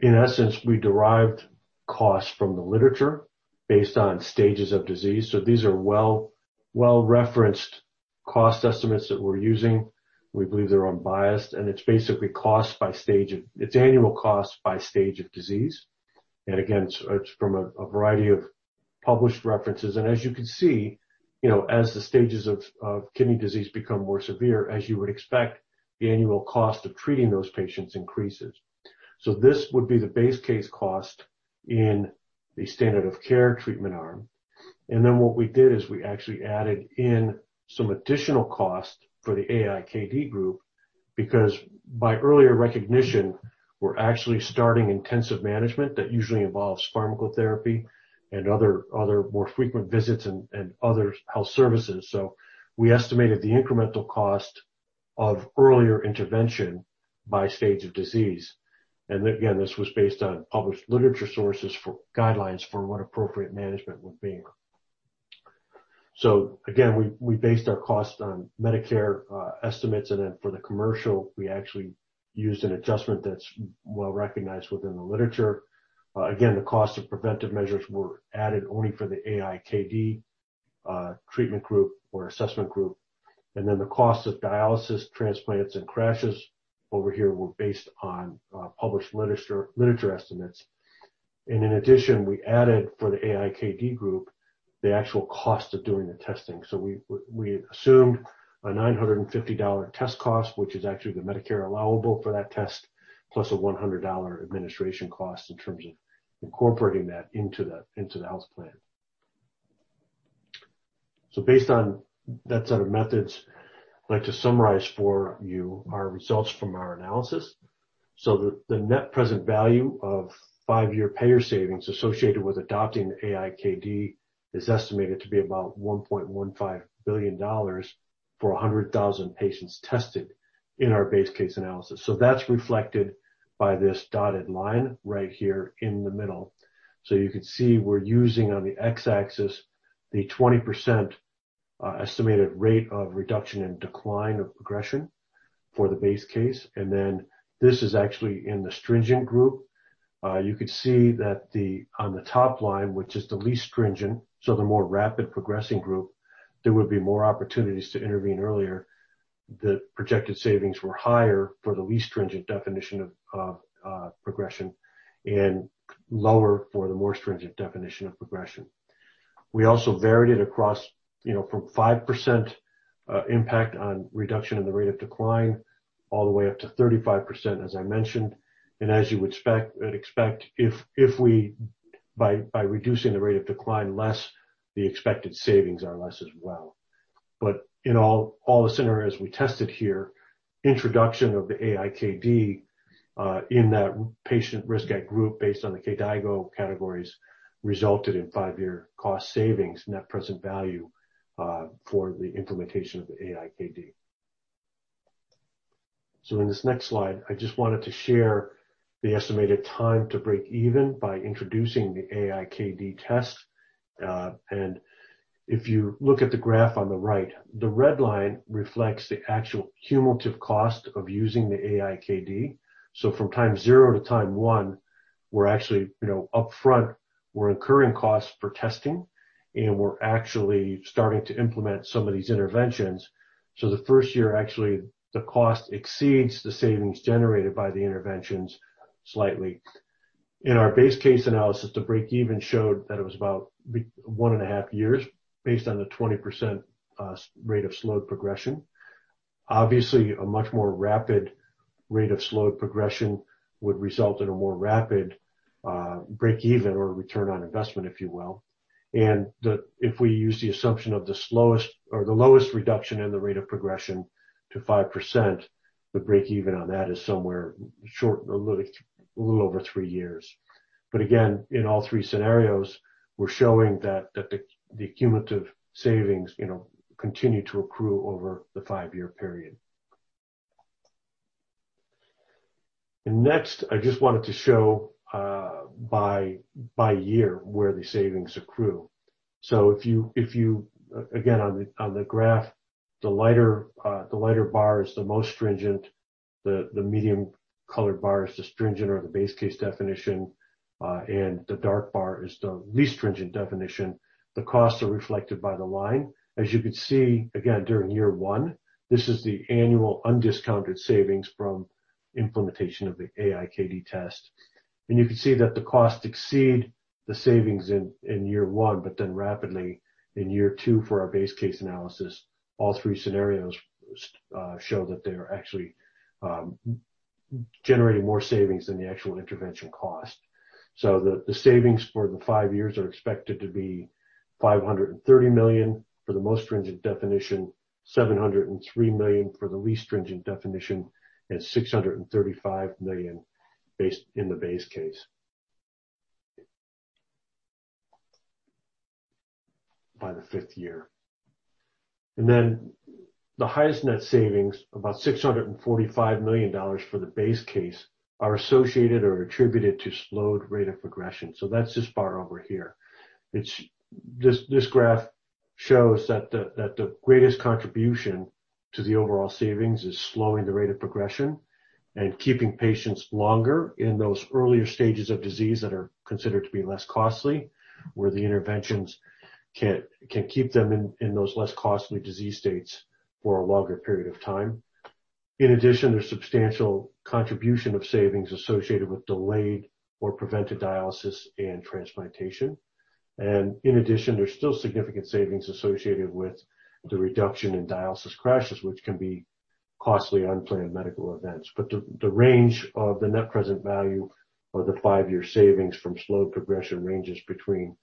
in essence, we derived costs from the literature based on stages of disease. These are well referenced cost estimates that we're using. We believe they're unbiased, and it's basically cost by stage of, its annual cost by stage of disease. Again, it's from a variety of published references. As you can see, as the stages of kidney disease become more severe, as you would expect, the annual cost of treating those patients increases. This would be the base case cost in the standard of care treatment arm. What we did is we actually added in some additional cost for the AI-KD group, because by earlier recognition, we're actually starting intensive management that usually involves pharmacotherapy and other more frequent visits and other health services. We estimated the incremental cost of earlier intervention by stage of disease. This was based on published literature sources for guidelines for what appropriate management would be. We based our cost on Medicare estimates, and then for the commercial, we actually used an adjustment that's well-recognized within the literature. The cost of preventive measures were added only for the AI-KD treatment group or assessment group. The cost of dialysis, transplants, and CRRTs over here were based on published literature estimates. In addition, we added for the AI-KD group, the actual cost of doing the testing. We assumed a $950 test cost, which is actually the Medicare allowable for that test, plus a $100 administration cost in terms of incorporating that into the health plan. Based on that set of methods, I'd like to summarize for you our results from our analysis. The net present value of five-year payer savings associated with adopting the AI-KD is estimated to be about $1.15 billion for 100,000 patients tested in our base case analysis. That's reflected by this dotted line right here in the middle. You could see we're using on the x-axis, the 20% estimated rate of reduction in decline of progression for the base case. Then this is actually in the stringent group. You could see that on the top line, which is the least stringent, so the more rapid progressing group, there would be more opportunities to intervene earlier. The projected savings were higher for the least stringent definition of progression and lower for the more stringent definition of progression. We also varied it across from 5% impact on reduction in the rate of decline all the way up to 35%, as I mentioned. As you would expect, if we by reducing the rate of decline less, the expected savings are less as well. In all the scenarios we tested here, introduction of the AI-KD in that patient risk group based on the KDIGO categories, resulted in five-year cost savings net present value for the implementation of the AI-KD. In this next slide, I just wanted to share the estimated time to break even by introducing the AI-KD test. If you look at the graph on the right, the red line reflects the actual cumulative cost of using the AI-KD. From time zero to time one, we're actually upfront, we're incurring costs for testing, and we're actually starting to implement some of these interventions. The first year, actually, the cost exceeds the savings generated by the interventions slightly. In our base case analysis, the break even showed that it was about one and a half years based on the 20% rate of slowed progression. Obviously, a much more rapid rate of slowed progression would result in a more rapid break even or return on investment, if you will. If we use the assumption of the slowest or the lowest reduction in the rate of progression to 5%, the break even on that is somewhere short, a little over three years. Again, in all three scenarios, we're showing that the cumulative savings continue to accrue over the five-year period. Next, I just wanted to show by year where the savings accrue. If you, again, on the graph, the lighter bar is the most stringent, the medium colored bar is the stringent or the base case definition, and the dark bar is the least stringent definition. The costs are reflected by the line. As you could see, again, during year one, this is the annual undiscounted savings from implementation of the AI-KD test. You can see that the costs exceed the savings in year one, but then rapidly in year two for our base case analysis, all three scenarios show that they're actually generating more savings than the actual intervention cost. The savings for the five years are expected to be $530 million for the most stringent definition, $703 million for the least stringent definition, and $635 million in the base case by the fifth year. The highest net savings, about $645 million for the base case, are associated or attributed to slowed rate of progression. That's this part over here. This graph shows that the greatest contribution to the overall savings is slowing the rate of progression and keeping patients longer in those earlier stages of disease that are considered to be less costly, where the interventions can keep them in those less costly disease states for a longer period of time. In addition, there's substantial contribution of savings associated with delayed or prevented dialysis and transplantation. In addition, there's still significant savings associated with the reduction in dialysis crashes, which can be costly, unplanned medical events. The range of the net present value of the five-year savings from slowed progression ranges between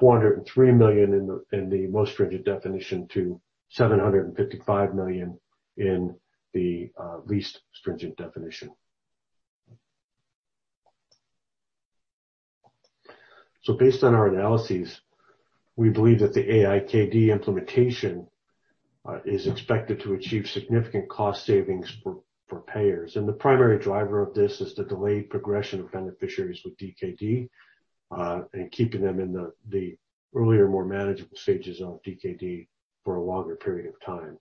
$403 million in the most stringent definition to $755 million in the least stringent definition. Based on our analyses, we believe that the AI-KD implementation is expected to achieve significant cost savings for payers. The primary driver of this is the delayed progression of beneficiaries with DKD, and keeping them in the earlier, more manageable stages of DKD for a longer period of time.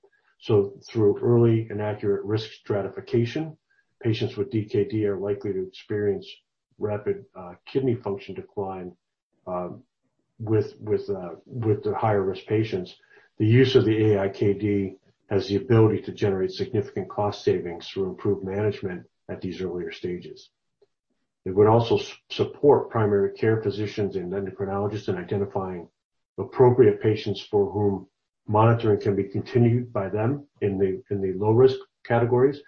Through early and accurate risk stratification, patients with DKD are likely to experience rapid kidney function decline with the higher-risk patients. The use of the AI-KD has the ability to generate significant cost savings through improved management at these earlier stages. It would also support primary care physicians and endocrinologists in identifying appropriate patients for whom monitoring can be continued by them in the low-risk categories,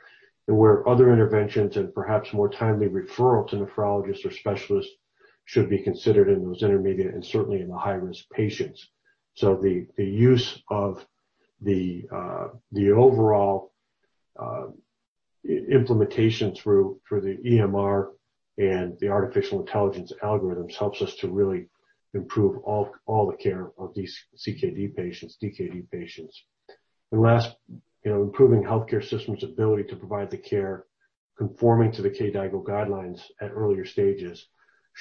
and where other interventions and perhaps more timely referral to nephrologists or specialists should be considered in those intermediate and certainly in the high-risk patients. The use of the overall implementation through the EMR and the artificial intelligence algorithms helps us to really improve all the care of these CKD patients, DKD patients. Last, improving healthcare systems' ability to provide the care conforming to the K/DOQI guidelines at earlier stages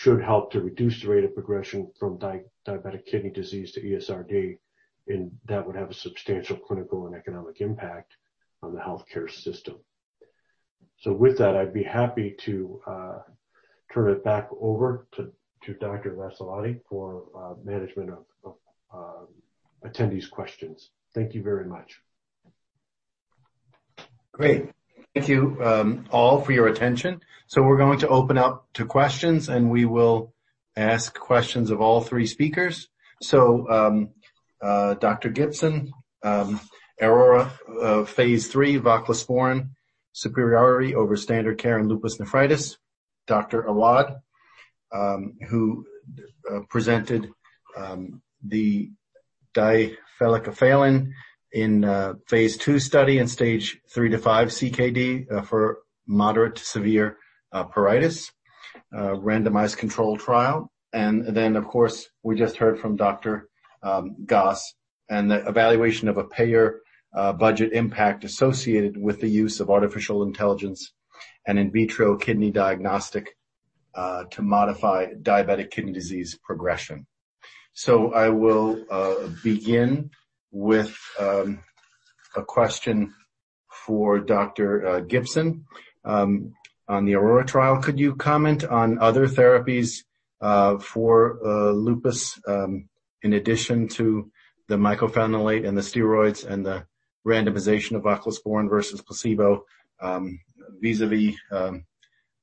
should help to reduce the rate of progression from diabetic kidney disease to ESRD, and that would have a substantial clinical and economic impact on the healthcare system. With that, I'd be happy to turn it back over to Dr. Vassalotti for management of attendees' questions. Thank you very much. Great. Thank you all for your attention. We're going to open up to questions, and we will ask questions of all three speakers. Dr. Gibson, AURORA phase III voclosporin superiority over standard care in lupus nephritis. Dr. Awad, who presented the difelikefalin in phase II study and stage III to V CKD for moderate to severe pruritus randomized controlled trial. Of course, we just heard from Dr. Goss and the evaluation of a payer budget impact associated with the use of artificial intelligence and in vitro kidney diagnostic to modify diabetic kidney disease progression. I will begin with a question for Dr. Gibson on the AURORA trial. Could you comment on other therapies for lupus in addition to the mycophenolate and the steroids and the randomization of voclosporin versus placebo vis-à-vis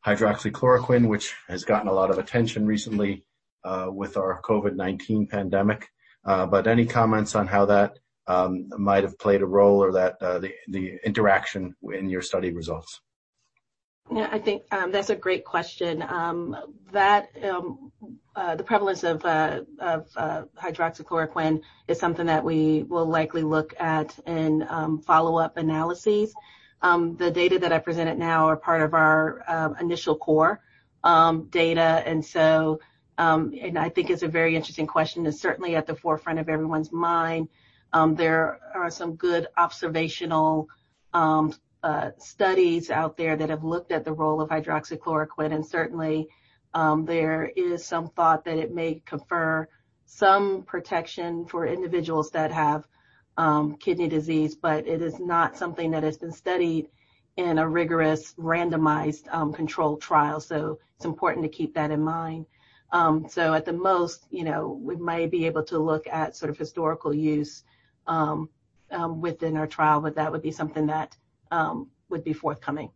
hydroxychloroquine, which has gotten a lot of attention recently with our COVID-19 pandemic? Any comments on how that might have played a role or the interaction in your study results? I think that's a great question. The prevalence of hydroxychloroquine is something that we will likely look at in follow-up analyses. The data that I presented now are part of our initial core data, and I think it's a very interesting question. It's certainly at the forefront of everyone's mind. There are some good observational studies out there that have looked at the role of hydroxychloroquine, and certainly, there is some thought that it may confer some protection for individuals that have kidney disease, but it is not something that has been studied in a rigorous randomized controlled trial, so it's important to keep that in mind. At the most, we might be able to look at sort of historical use within our trial, but that would be something that would be forthcoming.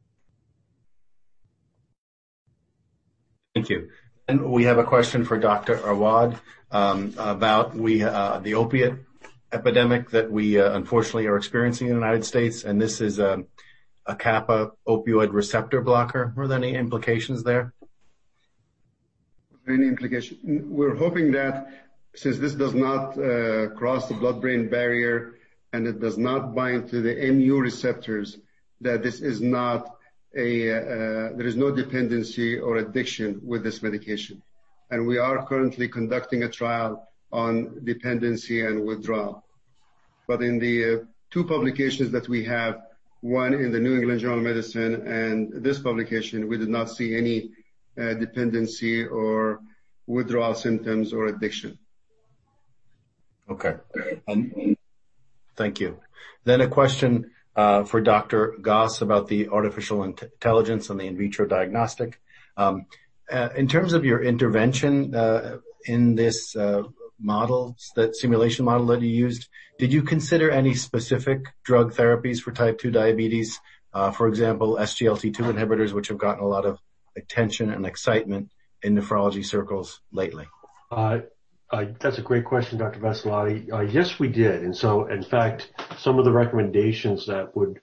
Thank you. We have a question for Dr. Awad about the opiate epidemic that we unfortunately are experiencing in the United States, and this is a kappa opioid receptor blocker. Were there any implications there? Any implication. We're hoping that since this does not cross the blood-brain barrier, and it does not bind to the mu-opioid receptors, that there is no dependency or addiction with this medication. We are currently conducting a trial on dependency and withdrawal. In the two publications that we have, one in The New England Journal of Medicine and this publication, we did not see any dependency or withdrawal symptoms or addiction. Okay. Thank you. A question for Dr. Goss about the artificial intelligence and the in vitro diagnostic. In terms of your intervention in this simulation model that you used, did you consider any specific drug therapies for type 2 diabetes? For example, SGLT2 inhibitors, which have gotten a lot of attention and excitement in nephrology circles lately. That's a great question, Dr. Vassalotti. Yes, we did. In fact, some of the recommendations that would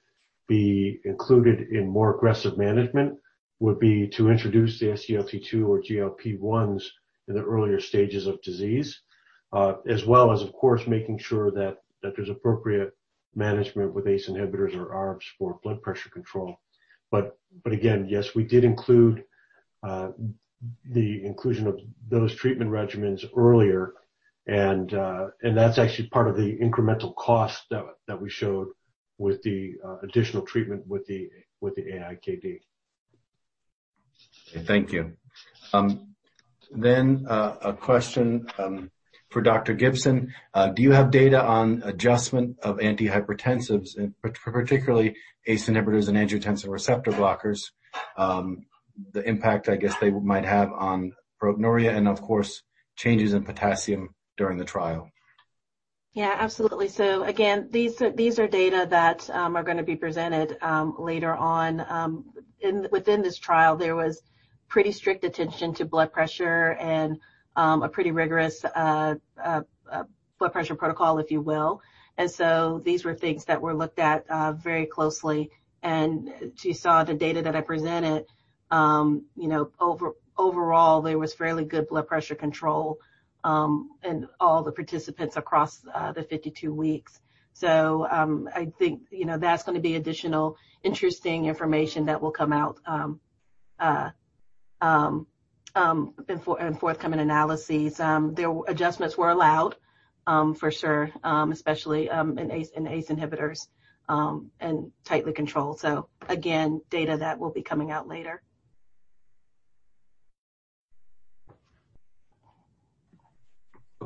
be included in more aggressive management would be to introduce the SGLT2 or GLP-1s in the earlier stages of disease, as well as, of course, making sure that there's appropriate management with ACE inhibitors or ARBs for blood pressure control. Again, yes, we did include the inclusion of those treatment regimens earlier, and that's actually part of the incremental cost that we showed with the additional treatment with the AI-KD. Thank you. A question for Dr. Gibson. Do you have data on adjustment of antihypertensives, particularly ACE inhibitors and angiotensin receptor blockers, and the impact, I guess, they might have on proteinuria and, of course, changes in potassium during the trial? Yeah, absolutely. Again, these are data that are going to be presented later on. Within this trial, there was pretty strict attention to blood pressure and a pretty rigorous blood pressure protocol, if you will. These were things that were looked at very closely, and as you saw the data that I presented, overall there was fairly good blood pressure control in all the participants across the 52 weeks. I think that's going to be additional interesting information that will come out in forthcoming analyses. The adjustments were allowed, for sure, especially in ACE inhibitors, and tightly controlled. Again, data that will be coming out later.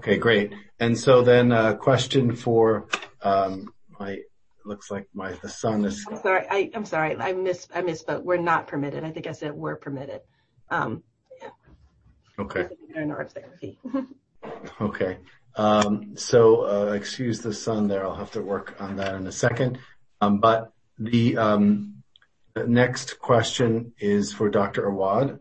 Okay, great. A question for. I'm sorry. I misspoke. Were not permitted. I think I said were permitted. Okay. Okay. Excuse the sound there. I'll have to work on that in a second. The next question is for Dr. Awad.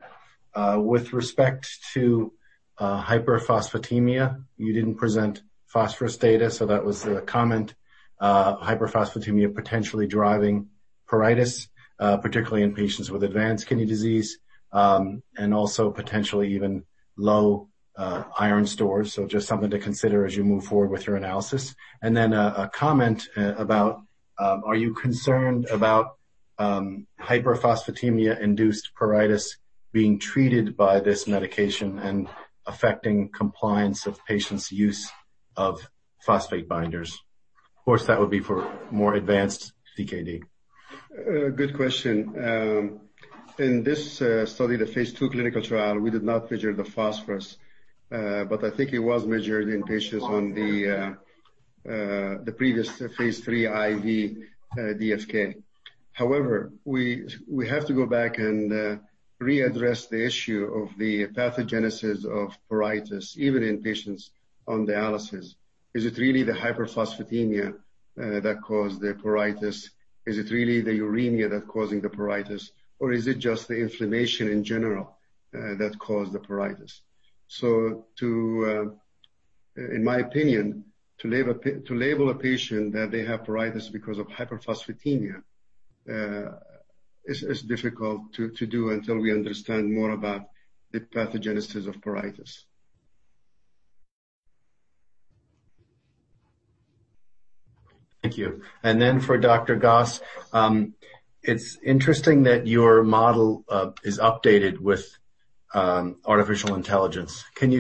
With respect to hyperphosphatemia, you didn't present phosphorus data, so that was the comment. Hyperphosphatemia potentially driving pruritus, particularly in patients with advanced kidney disease, and also potentially even low iron stores. Just something to consider as you move forward with your analysis. A comment about are you concerned about hyperphosphatemia-induced pruritus being treated by this medication and affecting compliance of patients' use of phosphate binders? Of course, that would be for more advanced DKD. Good question. In this study, the phase II clinical trial, we did not measure the phosphorus, but I think it was measured in patients on the previous phase III IV DFK. However, we have to go back and readdress the issue of the pathogenesis of pruritus, even in patients on dialysis. Is it really the hyperphosphatemia that caused the pruritus? Is it really the uremia that's causing the pruritus, or is it just the inflammation in general that caused the pruritus? In my opinion, to label a patient that they have pruritus because of hyperphosphatemia is difficult to do until we understand more about the pathogenesis of pruritus. Thank you. For Dr. Goss, it's interesting that your model is updated with artificial intelligence. Can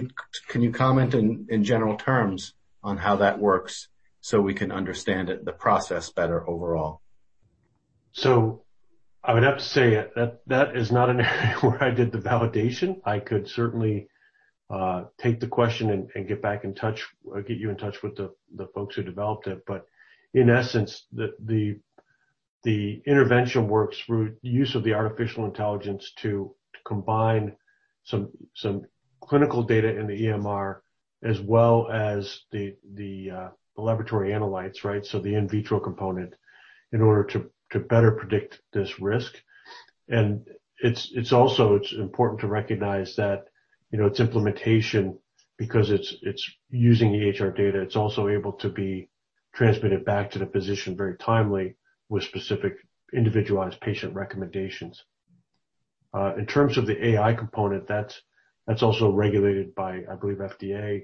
you comment in general terms on how that works so we can understand the process better overall? I would have to say that is not an area where I did the validation. I could certainly take the question and get you in touch with the folks who developed it. In essence, the intervention works through use of the artificial intelligence to combine some clinical data in the EMR, as well as the laboratory analytes, right? The in vitro component, in order to better predict this risk. It's also important to recognize that its implementation, because it's using the EHR data, it's also able to be transmitted back to the physician very timely with specific individualized patient recommendations. In terms of the AI component, that's also regulated by, I believe, FDA.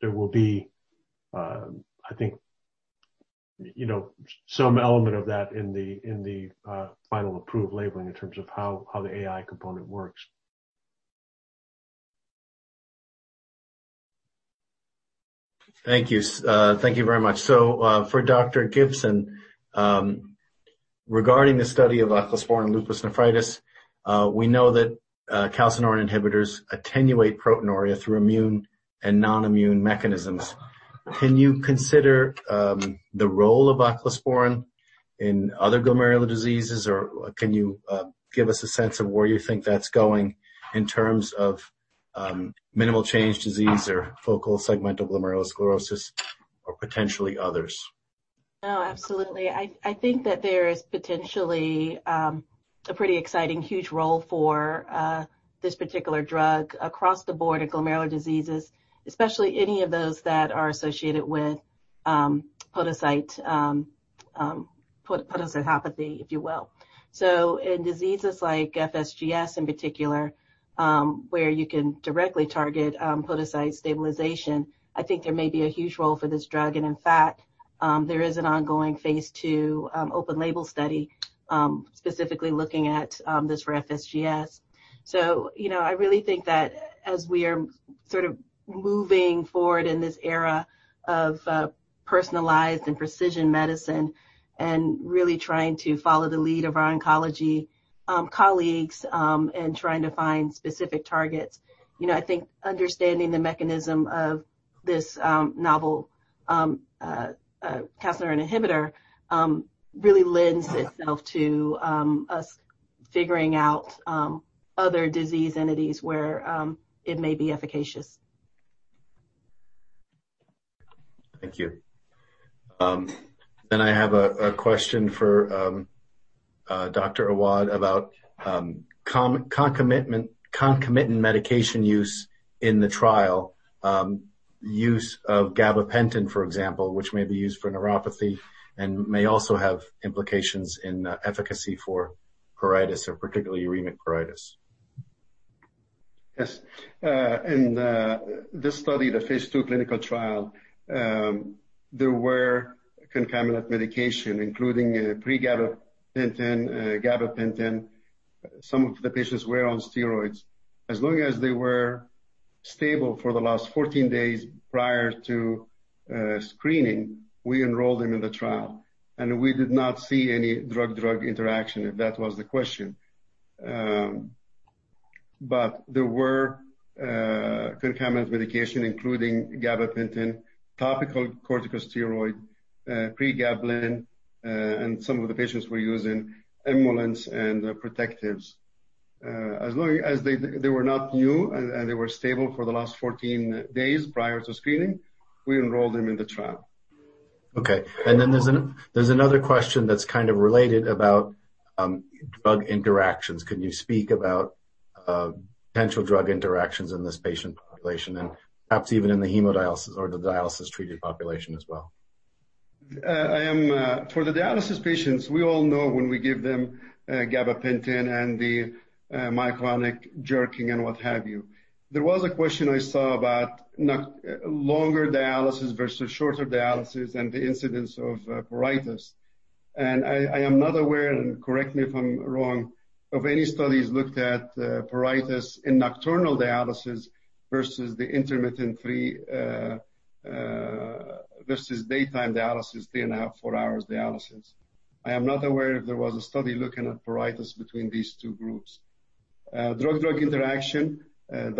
There will be, I think, some element of that in the final approved labeling in terms of how the AI component works. Thank you. Thank you very much. For Dr. Gibson, regarding the study of cyclosporine and lupus nephritis, we know that calcineurin inhibitors attenuate proteinuria through immune and non-immune mechanisms. Can you consider the role of cyclosporine in other glomerular diseases, or can you give us a sense of where you think that's going in terms of minimal change disease or focal segmental glomerulosclerosis or potentially others? Absolutely. I think that there is potentially a pretty exciting, huge role for this particular drug across the board of glomerular diseases, especially any of those that are associated with podocyte, podocytopathy, if you will. In diseases like FSGS in particular, where you can directly target podocyte stabilization, I think there may be a huge role for this drug. In fact, there is an ongoing phase II open label study specifically looking at this for FSGS. I really think that as we are sort of moving forward in this era of personalized and precision medicine and really trying to follow the lead of our oncology colleagues, and trying to find specific targets, I think understanding the mechanism of this novel calcineurin inhibitor really lends itself to us figuring out other disease entities where it may be efficacious. Thank you. I have a question for Dr. Awad about concomitant medication use in the trial. Use of gabapentin, for example, which may be used for neuropathy and may also have implications in efficacy for pruritus, or particularly uremic pruritus. Yes. In this study, the phase II clinical trial, there were concomitant medication, including pregabalin, gabapentin. Some of the patients were on steroids. As long as they were stable for the last 14 days prior to screening, we enrolled them in the trial, and we did not see any drug-drug interaction, if that was the question. There were concomitant medication, including gabapentin, topical corticosteroid, pregabalin, and some of the patients were using emollients and protectants. As long as they were not new, and they were stable for the last 14 days prior to screening, we enrolled them in the trial. Okay. There's another question that's kind of related about drug interactions. Can you speak about potential drug interactions in this patient population and perhaps even in the hemodialysis or the dialysis-treated population as well? For the dialysis patients, we all know when we give them gabapentin and the myoclonic jerking and what have you. There was a question I saw about longer dialysis versus shorter dialysis and the incidence of pruritus. I am not aware, and correct me if I'm wrong, of any studies looked at pruritus in nocturnal dialysis versus the intermittent three versus daytime dialysis, three and a half, four hours dialysis. I am not aware if there was a study looking at pruritus between these two groups. Drug-drug interaction,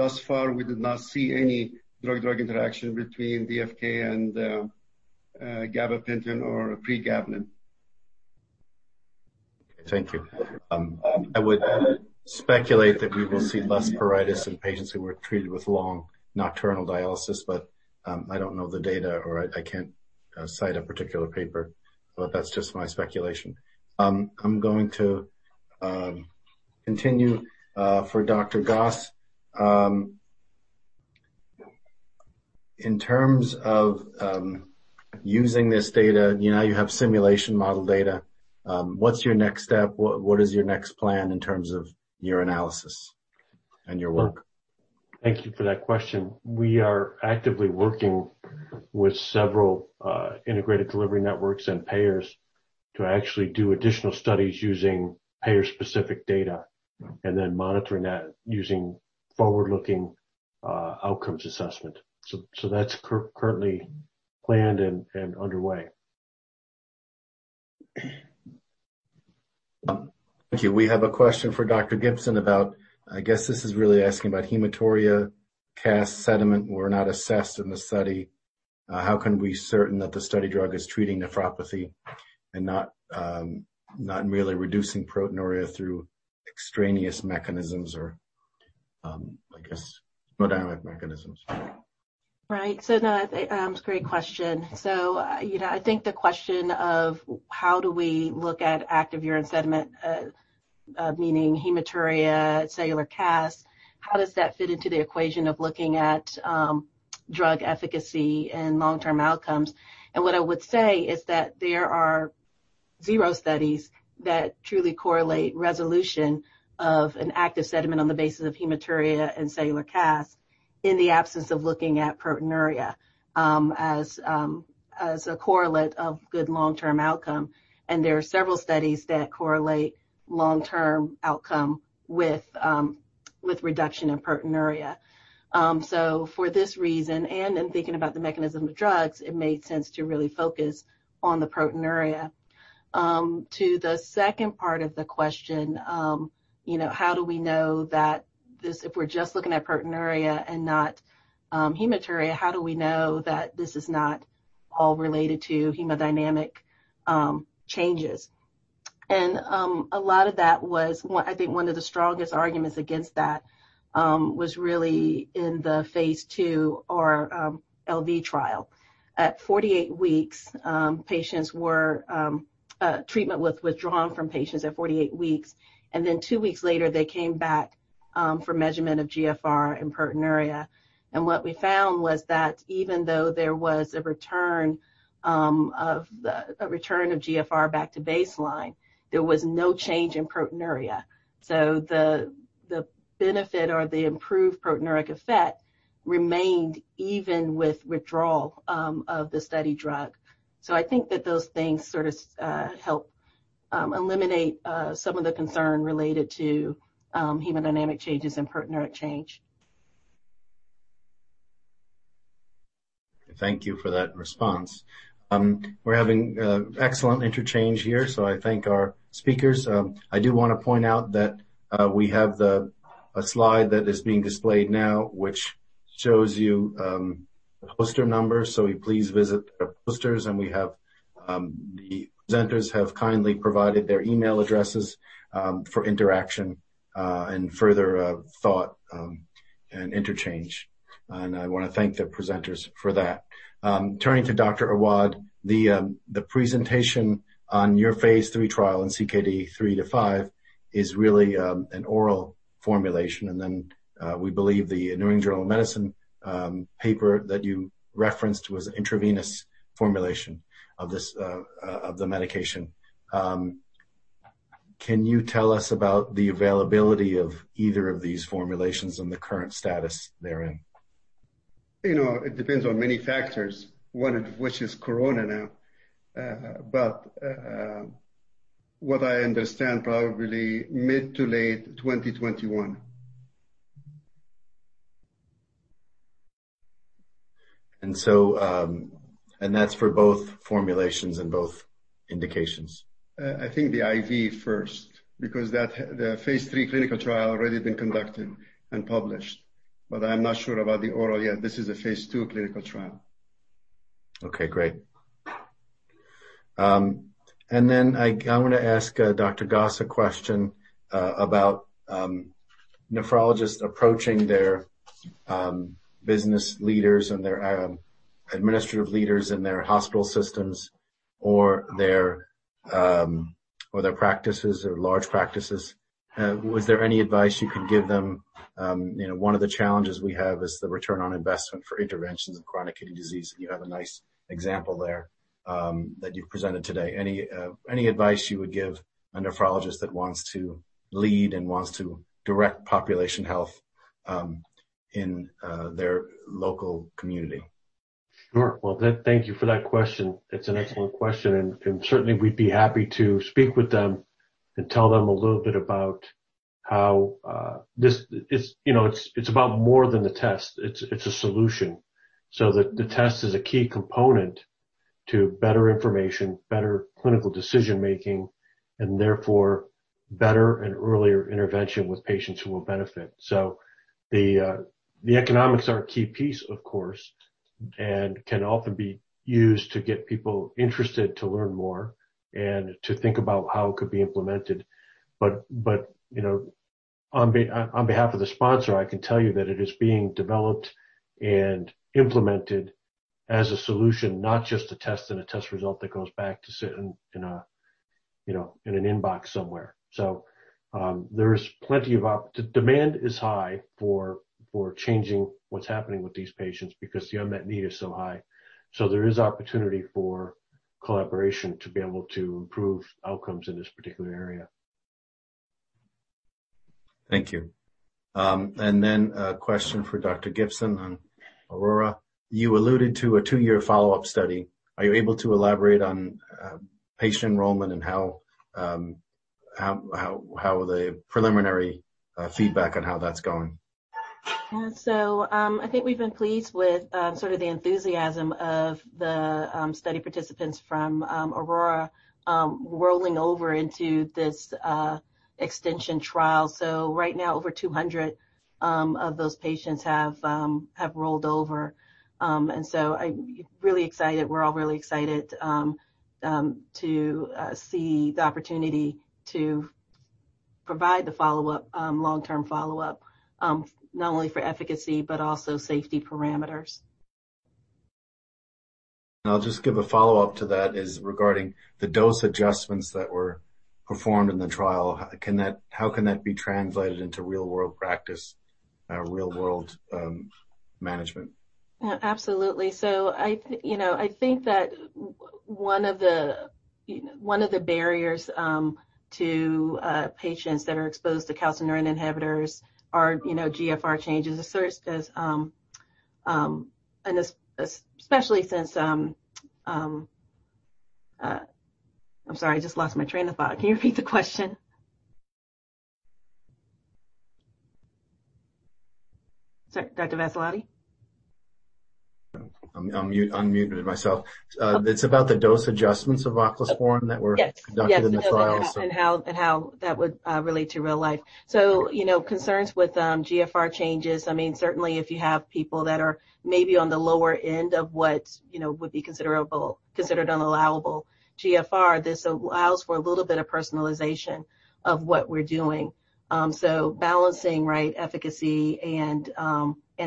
thus far, we did not see any drug-drug interaction between DFK and gabapentin or pregabalin. Thank you. I would speculate that we will see less pruritus in patients who were treated with long nocturnal dialysis, but I don't know the data or I can't cite a particular paper, but that's just my speculation. I'm going to continue for Dr. Goss. In terms of using this data, you know you have simulation model data. What's your next step? What is your next plan in terms of your analysis and your work? Thank you for that question. We are actively working with several integrated delivery networks and payers to actually do additional studies using payer-specific data, and then monitoring that using forward-looking outcomes assessment. That's currently planned and underway. Thank you. We have a question for Dr. Gibson about, I guess this is really asking about hematuria, cast sediment were not assessed in the study. How can we certain that the study drug is treating nephropathy and not really reducing proteinuria through extraneous mechanisms or, I guess, hemodynamic mechanisms? Right. No, I think it's a great question. I think the question of how do we look at active urine sediment, meaning hematuria, cellular casts, how does that fit into the equation of looking at drug efficacy and long-term outcomes? What I would say is that there are zero studies that truly correlate resolution of an active sediment on the basis of hematuria and cellular casts in the absence of looking at proteinuria as a correlate of good long-term outcome. There are several studies that correlate long-term outcome with reduction in proteinuria. For this reason, and in thinking about the mechanism of drugs, it made sense to really focus on the proteinuria. To the second part of the question, if we're just looking at proteinuria and not hematuria, how do we know that this is not all related to hemodynamic changes? I think one of the strongest arguments against that was really in the phase II or AURA-LV trial. Treatment was withdrawn from patients at 48 weeks, and then two weeks later, they came back for measurement of GFR and proteinuria. What we found was that even though there was a return of GFR back to baseline, there was no change in proteinuria. The benefit or the improved proteinuria effect remained even with withdrawal of the study drug. I think that those things sort of help eliminate some of the concern related to hemodynamic changes and proteinuria change. Thank you for that response. We're having excellent interchange here, so I thank our speakers. I do want to point out that we have a slide that is being displayed now, which shows you the poster number. Please visit the posters, and the presenters have kindly provided their email addresses for interaction, and further thought, and interchange. I want to thank the presenters for that. Turning to Dr. Awad, the presentation on your phase III trial in CKD 3 to 5 is really an oral formulation. We believe The New England Journal of Medicine paper that you referenced was an intravenous formulation of the medication. Can you tell us about the availability of either of these formulations and the current status they're in? It depends on many factors, one of which is coronavirus now. What I understand, probably mid to late 2021. That's for both formulations and both indications? I think the IV first, because the phase III clinical trial already been conducted and published, but I'm not sure about the oral yet. This is a phase II clinical trial. Okay, great. Then I want to ask Dr. Goss a question about nephrologists approaching their business leaders and their administrative leaders in their hospital systems or their practices or large practices. Was there any advice you could give them? One of the challenges we have is the ROI for interventions of chronic kidney disease, and you have a nice example there that you've presented today. Any advice you would give a nephrologist that wants to lead and wants to direct population health in their local community? Sure. Well, thank you for that question. It's an excellent question. Certainly, we'd be happy to speak with them and tell them a little bit about how this. It's about more than the test. It's a solution. The test is a key component to better information, better clinical decision-making, and therefore better and earlier intervention with patients who will benefit. The economics are a key piece of course, and can often be used to get people interested to learn more and to think about how it could be implemented. On behalf of the sponsor, I can tell you that it is being developed and implemented as a solution, not just a test and a test result that goes back to sit in an inbox somewhere. Demand is high for changing what's happening with these patients because the unmet need is so high. There is opportunity for collaboration to be able to improve outcomes in this particular area. Thank you. A question for Dr. Gibson on AURORA. You alluded to a two-year follow-up study. Are you able to elaborate on patient enrollment and how the preliminary feedback on how that's going? Yeah. I think we've been pleased with sort of the enthusiasm of the study participants from AURORA rolling over into this extension trial. Right now, over 200 of those patients have rolled over. We're all really excited to see the opportunity to provide the follow-up, long-term follow-up, not only for efficacy but also safety parameters. I'll just give a follow-up to that is regarding the dose adjustments that were performed in the trial. How can that be translated into real-world practice, real-world management? Yeah, absolutely. I think that one of the barriers to patients that are exposed to calcineurin inhibitors are GFR changes, especially since I'm sorry, I just lost my train of thought. Can you repeat the question? Dr. Vassalotti? I unmuted myself. It's about the dose adjustments of voclosporin that were- Yes. conducted in the trials. How that would relate to real life. Concerns with GFR changes. Certainly, if you have people that are maybe on the lower end of what would be considered an allowable GFR, this allows for a little bit of personalization of what we're doing. Balancing efficacy and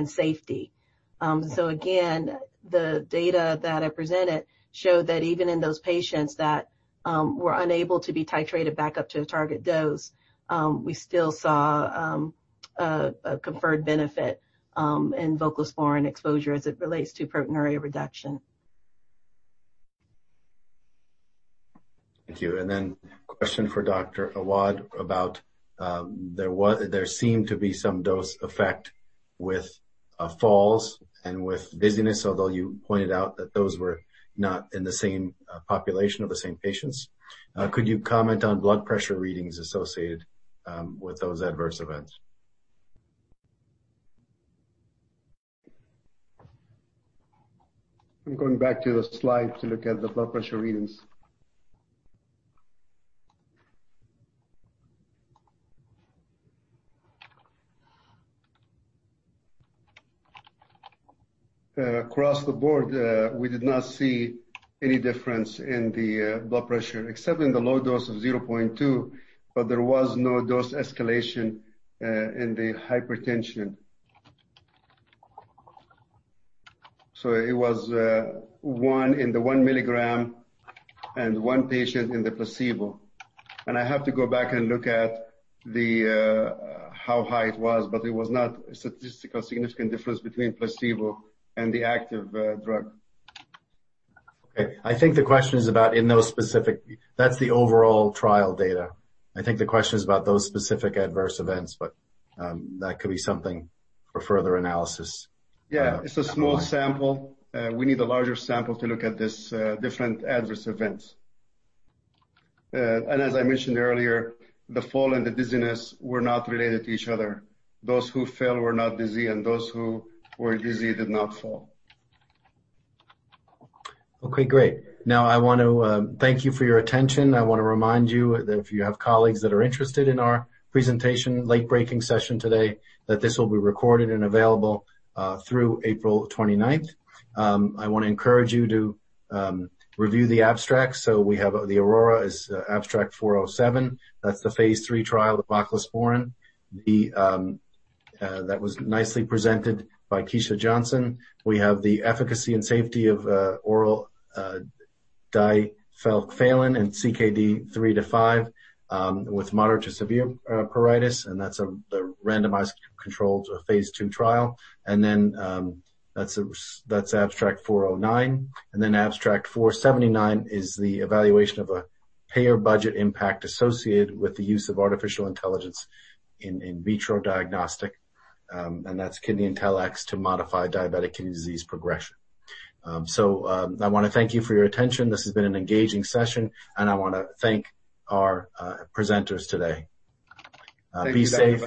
safety. Again, the data that I presented showed that even in those patients that were unable to be titrated back up to a target dose, we still saw a conferred benefit in voclosporin exposure as it relates to proteinuria reduction. Thank you. A question for Dr. Awad about there seemed to be some dose effect with falls and with dizziness, although you pointed out that those were not in the same population of the same patients. Could you comment on blood pressure readings associated with those adverse events? I'm going back to the slide to look at the blood pressure readings. Across the board, we did not see any difference in the blood pressure except in the low dose of 0.2. There was no dose escalation in the hypertension. It was one in the 1 mg and one patient in the placebo. I have to go back and look at how high it was. It was not a statistically significant difference between placebo and the active drug. Okay. That's the overall trial data. I think the question is about those specific adverse events, but that could be something for further analysis. Yeah. It's a small sample. We need a larger sample to look at these different adverse events. As I mentioned earlier, the fall and the dizziness were not related to each other. Those who fell were not dizzy, and those who were dizzy did not fall. Okay, great. I want to thank you for your attention. I want to remind you that if you have colleagues that are interested in our presentation late-breaking session today, that this will be recorded and available through April 29th. I want to encourage you to review the abstract. We have the AURORA is abstract 407. That's the phase III trial of voclosporin. That was nicely presented by Keisha Gibson. We have the efficacy and safety of oral difelikefalin in CKD 3 to 5 with moderate to severe pruritus, and that's the randomized controlled phase II trial. That's abstract 409. Abstract 479 is the evaluation of a payer budget impact associated with the use of artificial intelligence in vitro diagnostic, and that's KidneyIntelX to modify diabetic kidney disease progression. I want to thank you for your attention. This has been an engaging session, and I want to thank our presenters today. Thank you. Be safe and-